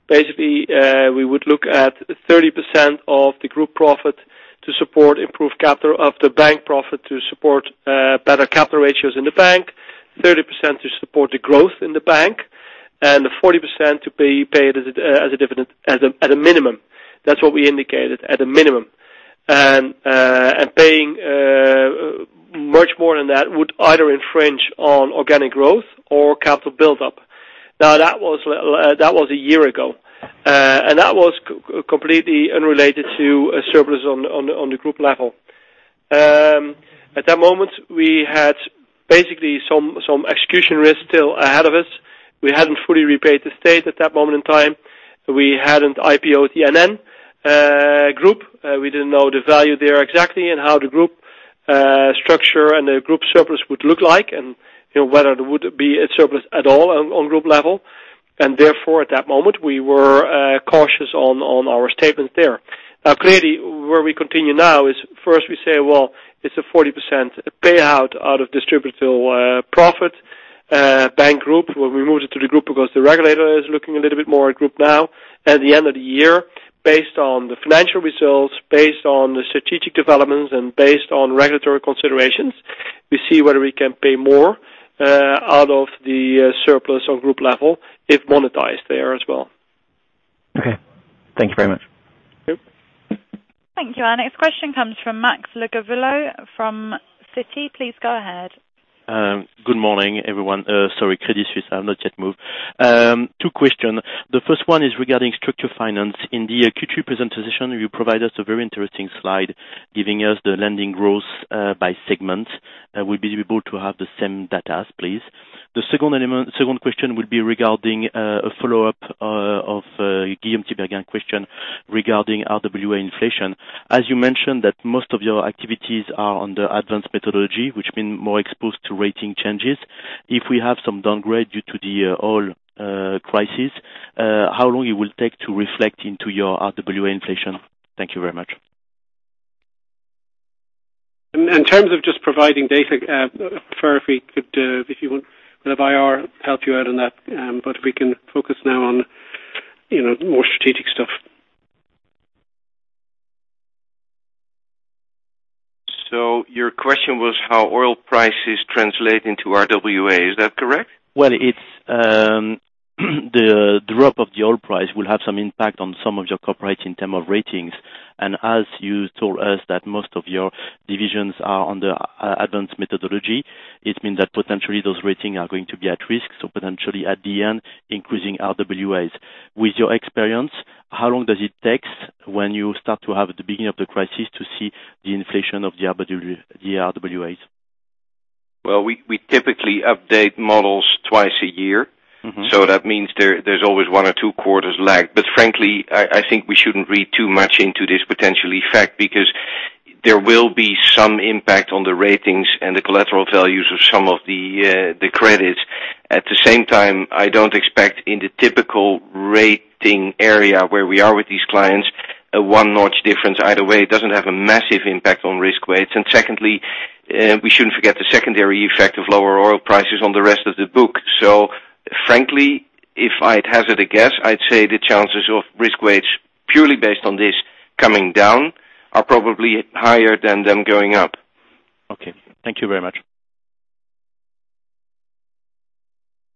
basically, we would look at 30% of the group profit to support improved capital of the bank profit to support better capital ratios in the bank, 30% to support the growth in the bank, and the 40% to be paid as a dividend at a minimum. That's what we indicated, at a minimum. Paying much more than that would either infringe on organic growth or capital build-up. Now, that was a year ago. That was completely unrelated to a surplus on the group level. At that moment, we had basically some execution risk still ahead of us. We hadn't fully repaid the state at that moment in time. We hadn't IPO'd the NN Group. We didn't know the value there exactly and how the group structure and the group surplus would look like, and whether there would be a surplus at all on group level. Therefore, at that moment, we were cautious on our statements there. Now clearly, where we continue now is, first we say, well, it's a 40% payout out of distributable profit, bank group, where we moved it to the group because the regulator is looking a little bit more at group now. At the end of the year, based on the financial results, based on the strategic developments, and based on regulatory considerations, we see whether we can pay more out of the surplus on group level if monetized there as well. Okay. Thank you very much. Yep. Thank you. Our next question comes from Max Le Gouvello from Citi. Please go ahead. Good morning, everyone. Sorry, Credit Suisse. I've not yet moved. Two question. The first one is regarding structured finance. In the Q3 presentation, you provided us a very interesting slide giving us the lending growth by segment. Would we be able to have the same data, please? The second question would be regarding a follow-up of Guillaume Tiberghien question regarding RWA inflation. As you mentioned that most of your activities are under advanced methodology, which mean more exposed to rating changes. If we have some downgrade due to the oil crisis, how long it will take to reflect into your RWA inflation? Thank you very much. In terms of just providing data, I prefer if IR help you out on that, If we can focus now on more strategic stuff. Your question was how oil prices translate into RWA, is that correct? Well, the drop of the oil price will have some impact on some of your corporates in terms of ratings. As you told us that most of your divisions are under advanced methodology, it means that potentially those ratings are going to be at risk, so potentially at the end, increasing RWAs. With your experience, how long does it take when you start to have the beginning of the crisis to see the inflation of the RWAs? Well, we typically update models twice a year. That means there's always one or two quarters lag. Frankly, I think we shouldn't read too much into this potential effect because there will be some impact on the ratings and the collateral values of some of the credits. At the same time, I don't expect in the typical rating area where we are with these clients, a one notch difference either way. It doesn't have a massive impact on risk weights. Secondly, we shouldn't forget the secondary effect of lower oil prices on the rest of the book. Frankly, if I had to guess, I'd say the chances of risk weights purely based on this coming down are probably higher than them going up. Okay. Thank you very much.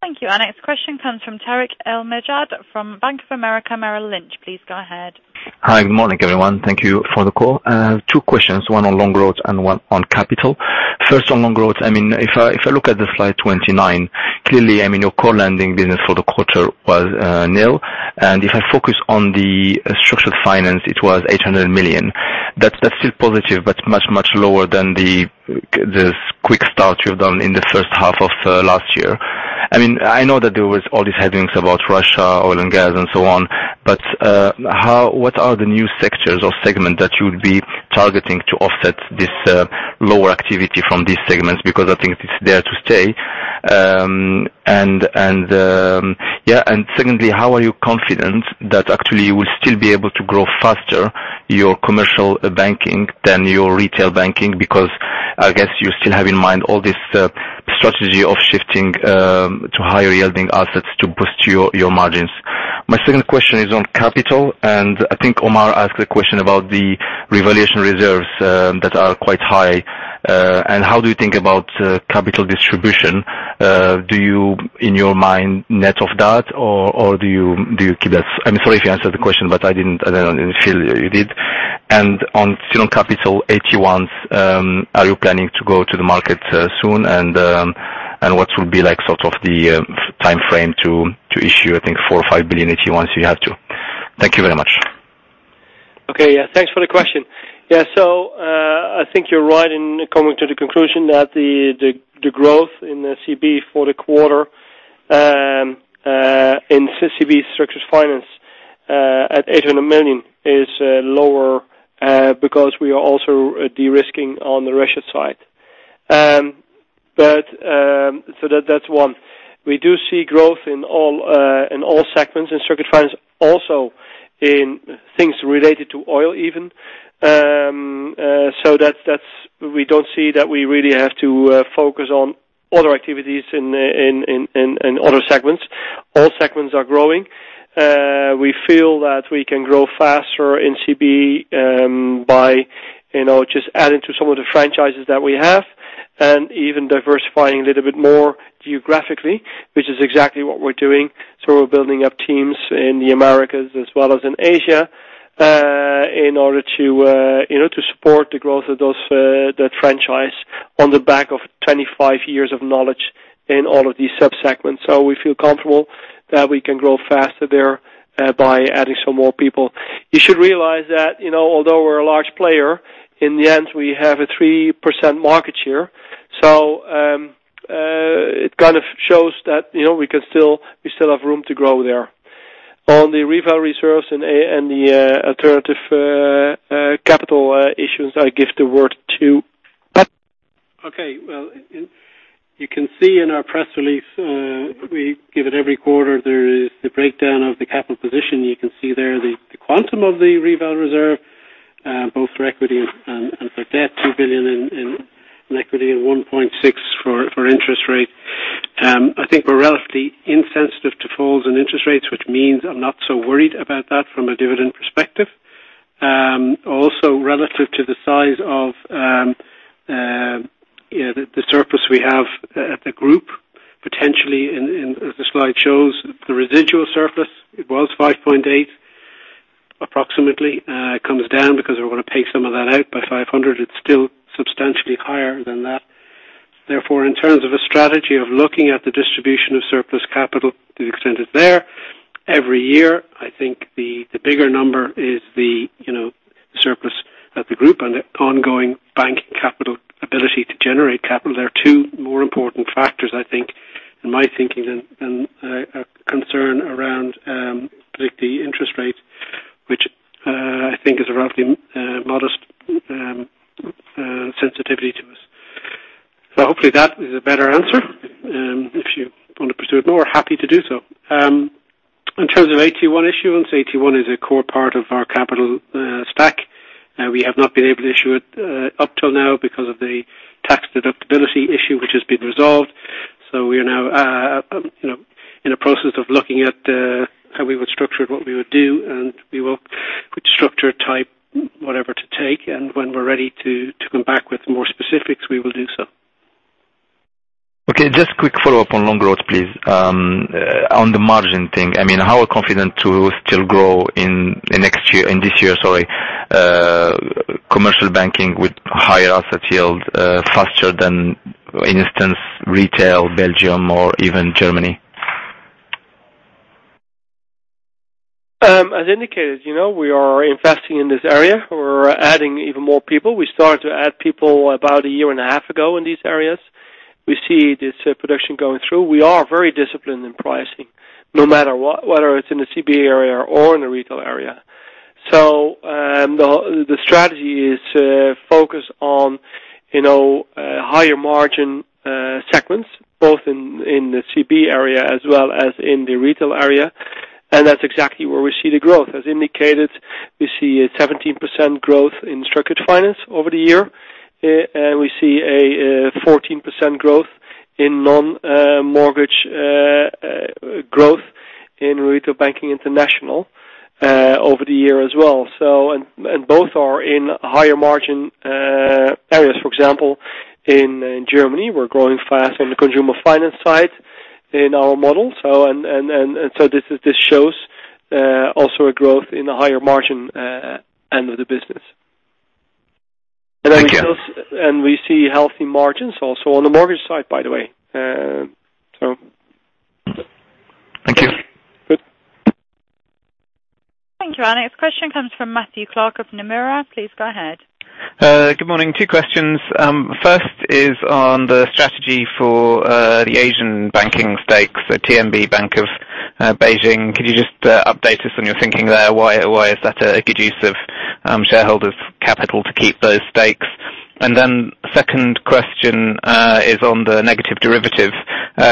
Thank you. Our next question comes from Tarik El Mejjad from Bank of America Merrill Lynch. Please go ahead. Hi, good morning, everyone. Thank you for the call. Two questions, one on loan growth and one on capital. First on loan growth, if I look at the slide 29, clearly, your core lending business for the quarter was nil. If I focus on the structured finance, it was 800 million. That's still positive, but much, much lower than the quick start you've done in the first half of last year. I know that there was all these headwinds about Russia, oil and gas, and so on. What are the new sectors or segment that you would be targeting to offset this lower activity from these segments? Because I think it's there to stay. Secondly, how are you confident that actually you will still be able to grow faster your commercial banking than your retail banking? Because I guess you still have in mind all this strategy of shifting to higher yielding assets to boost your margins. My second question is on capital. I think Omar asked a question about the revaluation reserves that are quite high. How do you think about capital distribution? Do you, in your mind, net of that, or do you keep that I'm sorry if you answered the question, but I didn't feel you did. On capital AT1s, are you planning to go to the market soon? What will be the timeframe to issue, I think four billion or five billion AT1s, you have to. Thank you very much. Okay. Yeah. Thanks for the question. I think you're right in coming to the conclusion that the growth in C&IB for the quarter, in C&IB structured finance at 800 million is lower because we are also de-risking on the Russia side. That's one. We do see growth in all segments, in structured finance, also in things related to oil even. We don't see that we really have to focus on other activities in other segments. All segments are growing. We feel that we can grow faster in C&IB by just adding to some of the franchises that we have and even diversifying a little bit more geographically, which is exactly what we're doing. We're building up teams in the Americas as well as in Asia, in order to support the growth of that franchise on the back of 25 years of knowledge in all of these sub-segments. We feel comfortable that we can grow faster there by adding some more people. You should realize that although we're a large player, in the end, we have a 3% market share. It shows that we still have room to grow there. On the reval reserves and the alternative capital issues, I give the word to Pat. You can see in our press release, we give it every quarter. There is the breakdown of the capital position. You can see there the quantum of the reval reserve, both for equity and for debt, 2 billion in equity and 1.6 billion for interest rate. I think we're relatively insensitive to falls in interest rates, which means I'm not so worried about that from a dividend perspective. Also relative to the size of the surplus we have at the group, potentially as the slide shows, the residual surplus, it was 5.8 billion approximately. It comes down because we're going to pay some of that out by 500 million. It's still substantially higher than that. In terms of a strategy of looking at the distribution of surplus capital to the extent it's there every year, I think the bigger number is the surplus at the group and the ongoing bank capital ability to generate capital. There are two more important factors, I think, in my thinking than a concern around the interest rate, which I think is a relatively modest sensitivity to us. Hopefully that is a better answer. If you want to pursue it more, happy to do so. In terms of AT1 issuance, AT1 is a core part of our capital stack. We have not been able to issue it up till now because of the tax deductibility issue, which has been resolved. We are now in a process of looking at how we would structure it, what we would do, we will put structure type, whatever to take. When we're ready to come back with more specifics, we will do so. Okay. Just quick follow-up on loan growth, please. On the margin thing, how are you confident to still grow in this year commercial banking with higher asset yield faster than, for instance, retail Belgium or even Germany? As indicated, we are investing in this area. We're adding even more people. We started to add people about a year and a half ago in these areas. We see this production going through. We are very disciplined in pricing no matter what, whether it's in the C&IB area or in the retail area. The strategy is to focus on higher margin segments, both in the C&IB area as well as in the retail area. That's exactly where we see the growth. As indicated, we see a 17% growth in structured finance over the year. We see a 14% growth in non-mortgage growth in Retail Banking International over the year as well. Both are in higher margin areas. For example, in Germany, we're growing fast on the consumer finance side in our model. This shows also a growth in the higher margin end of the business. Thank you. We see healthy margins also on the mortgage side, by the way. Thank you. Our next question comes from Matthew Clark of Nomura. Please go ahead. Good morning. Two questions. First is on the strategy for the Asian banking stakes, the TMB Bank of Beijing. Could you just update us on your thinking there? Why is that a good use of shareholders' capital to keep those stakes? Second question is on the negative derivative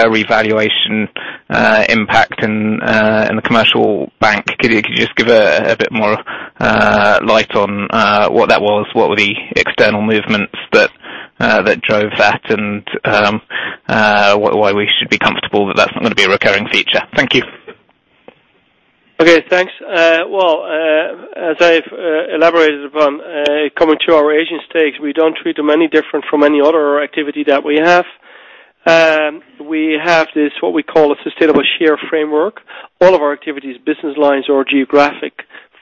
revaluation impact in the commercial bank. Could you just give a bit more light on what that was? What were the external movements that drove that, and why we should be comfortable that that's not going to be a recurring feature? Thank you. Okay, thanks. As I've elaborated upon, coming to our Asian stakes, we don't treat them any different from any other activity that we have. We have this, what we call, a sustainable share framework. All of our activities, business lines or geographic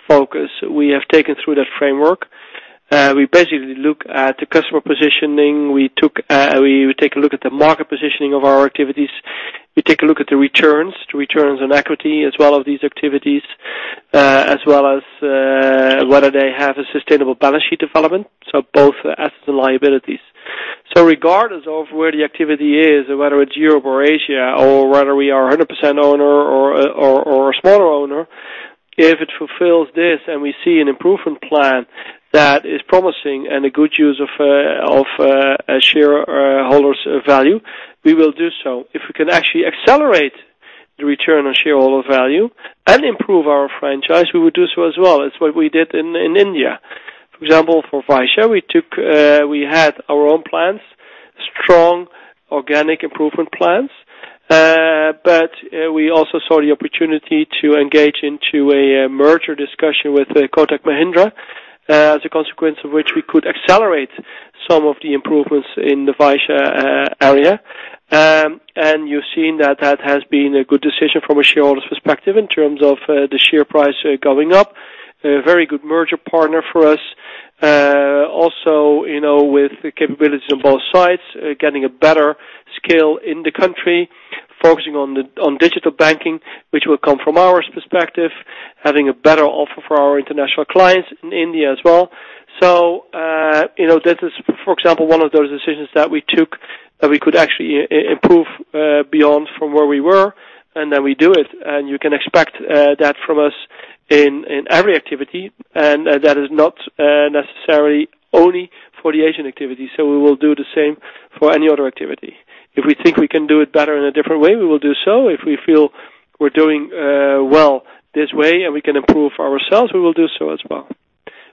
focus, we have taken through that framework. We basically look at the customer positioning. We take a look at the market positioning of our activities. We take a look at the returns, the returns on equity as well of these activities, as well as whether they have a sustainable balance sheet development, so both assets and liabilities. Regardless of where the activity is, whether it's Europe or Asia, or whether we are 100% owner or a smaller owner, if it fulfills this and we see an improvement plan that is promising and a good use of shareholder's value, we will do so. If we can actually accelerate the return on shareholder value and improve our franchise, we would do so as well. It's what we did in India. For example, for Vysya, we had our own plans, strong organic improvement plans. We also saw the opportunity to engage into a merger discussion with Kotak Mahindra, as a consequence of which we could accelerate some of the improvements in the Vysya area. You've seen that that has been a good decision from a shareholder's perspective in terms of the share price going up. A very good merger partner for us. Also, with the capabilities on both sides, getting a better scale in the country, focusing on digital banking, which will come from our perspective, having a better offer for our international clients in India as well. This is, for example, one of those decisions that we took that we could actually improve beyond from where we were, and then we do it. You can expect that from us in every activity, and that is not necessarily only for the Asian activity. We will do the same for any other activity. If we think we can do it better in a different way, we will do so. If we feel we're doing well this way and we can improve ourselves, we will do so as well.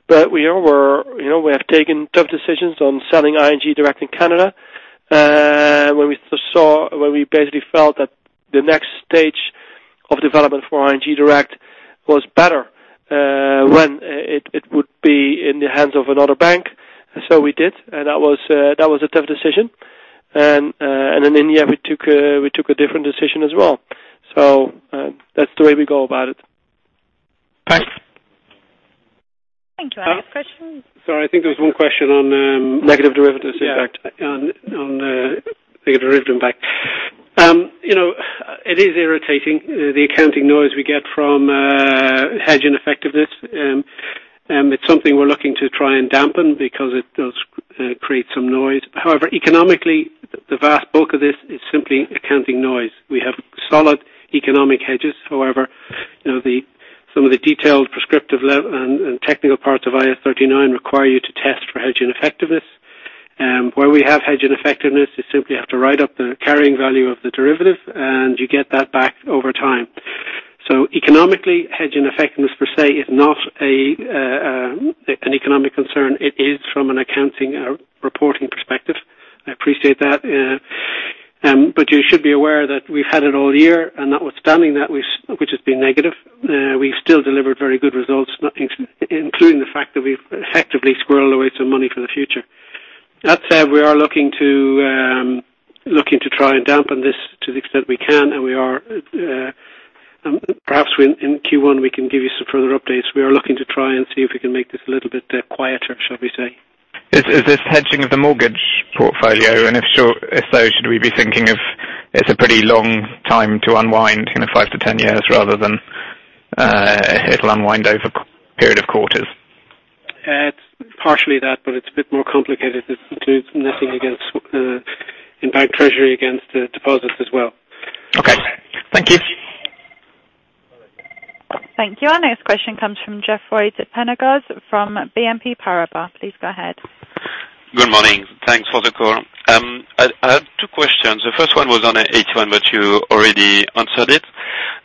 We have taken tough decisions on selling ING Direct in Canada, where we basically felt that the next stage of development for ING Direct was better when it would be in the hands of another bank. We did, and that was a tough decision. In India, we took a different decision as well. That's the way we go about it. Thanks. Thank you. Our next question. Sorry, I think there was one question on negative derivatives impact. Yeah. On negative derivative impact. It is irritating, the accounting noise we get from hedge ineffectiveness. It's something we're looking to try and dampen because it does create some noise. Economically, the vast bulk of this is simply accounting noise. We have solid economic hedges. Some of the detailed prescriptive and technical parts of IAS 39 require you to test for hedge ineffectiveness. Where we have hedge ineffectiveness, you simply have to write up the carrying value of the derivative, and you get that back over time. Economically, hedge ineffectiveness per se is not an economic concern. It is from an accounting reporting perspective. I appreciate that. You should be aware that we've had it all year, and notwithstanding that, which has been negative, we've still delivered very good results, including the fact that we've effectively squirreled away some money for the future. That said, we are looking to try and dampen this to the extent we can, and perhaps in Q1, we can give you some further updates. We are looking to try and see if we can make this a little bit quieter, shall we say. Is this hedging of the mortgage portfolio, and if so, should we be thinking of it's a pretty long time to unwind, 5-10 years rather than it'll unwind over a period of quarters? It's partially that, but it's a bit more complicated. It includes netting against [in bank treasury] against deposits as well. Okay. Thank you. Thank you. Our next question comes froGeoffroy de Pellegars from BNP Paribas. Please go ahead. Good morning. Thanks for the call. I have two questions. The first one was on AT1, but you already answered it.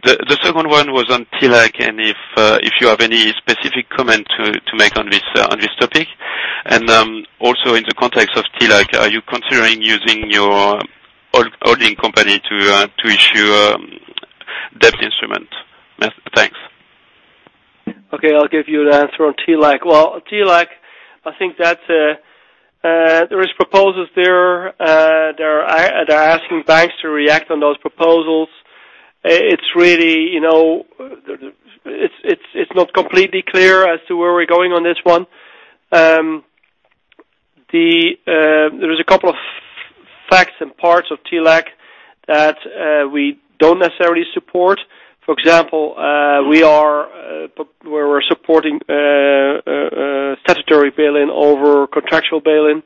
The second one was on TLAC, and if you have any specific comment to make on this topic. Also in the context of TLAC, are you considering using your holding company to issue debt instrument? Thanks. TLAC, I think there are proposals there. They're asking banks to react on those proposals. It's not completely clear as to where we're going on this one. There are a couple of facts and parts of TLAC that we don't necessarily support. For example, we're supporting statutory bail-in over contractual bail-in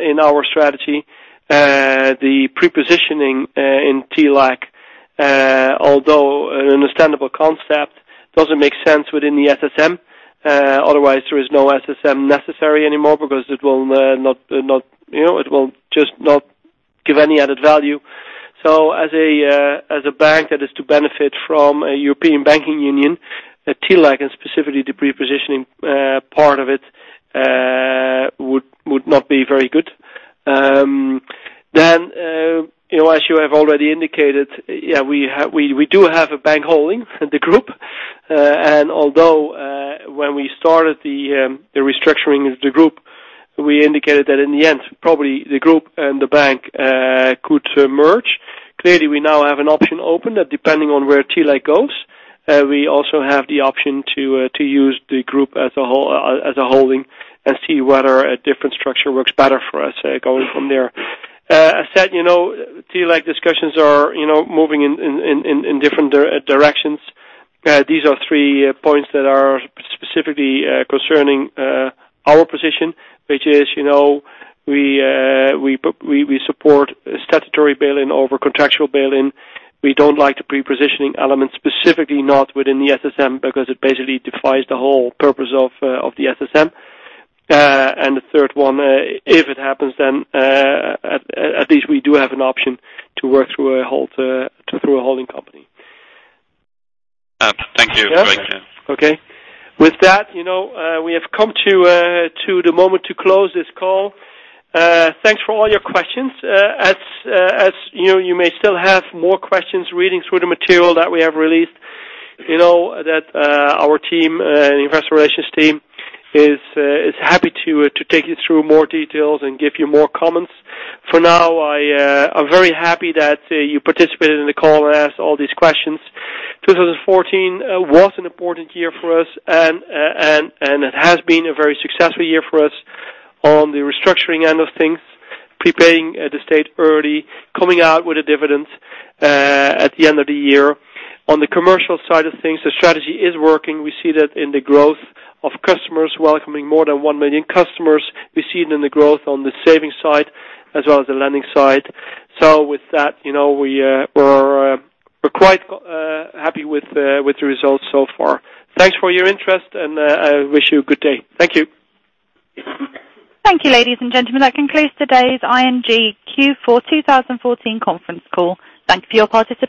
in our strategy. The pre-positioning in TLAC, although an understandable concept, doesn't make sense within the SSM. Otherwise, there is no SSM necessary anymore because it will just not give any added value. As a bank that is to benefit from a European banking union, a TLAC, and specifically the pre-positioning part of it, would not be very good. As you have already indicated, we do have a bank holding the group. Although when we started the restructuring of the group, we indicated that in the end, probably the group and the bank could merge. Clearly, we now have an option open that depending on where TLAC goes, we also have the option to use the group as a holding and see whether a different structure works better for us going from there. I said, TLAC discussions are moving in different directions. These are three points that are specifically concerning our position. Which is, we support statutory bail-in over contractual bail-in. We don't like the pre-positioning element, specifically not within the SSM, because it basically defies the whole purpose of the SSM. The third one, if it happens, then at least we do have an option to work through a holding company. Thank you. Great. With that, we have come to the moment to close this call. Thanks for all your questions. As you may still have more questions reading through the material that we have released, you know that our investor relations team is happy to take you through more details and give you more comments. For now, I'm very happy that you participated in the call and asked all these questions. 2014 was an important year for us, and it has been a very successful year for us on the restructuring end of things, preparing the state early, coming out with a dividend at the end of the year. On the commercial side of things, the strategy is working. We see that in the growth of customers, welcoming more than 1 million customers. We see it in the growth on the saving side as well as the lending side. With that, we're quite happy with the results so far. Thanks for your interest, and I wish you a good day. Thank you. Thank you, ladies and gentlemen. That concludes today's ING Q4 2014 conference call. Thank you for your participation.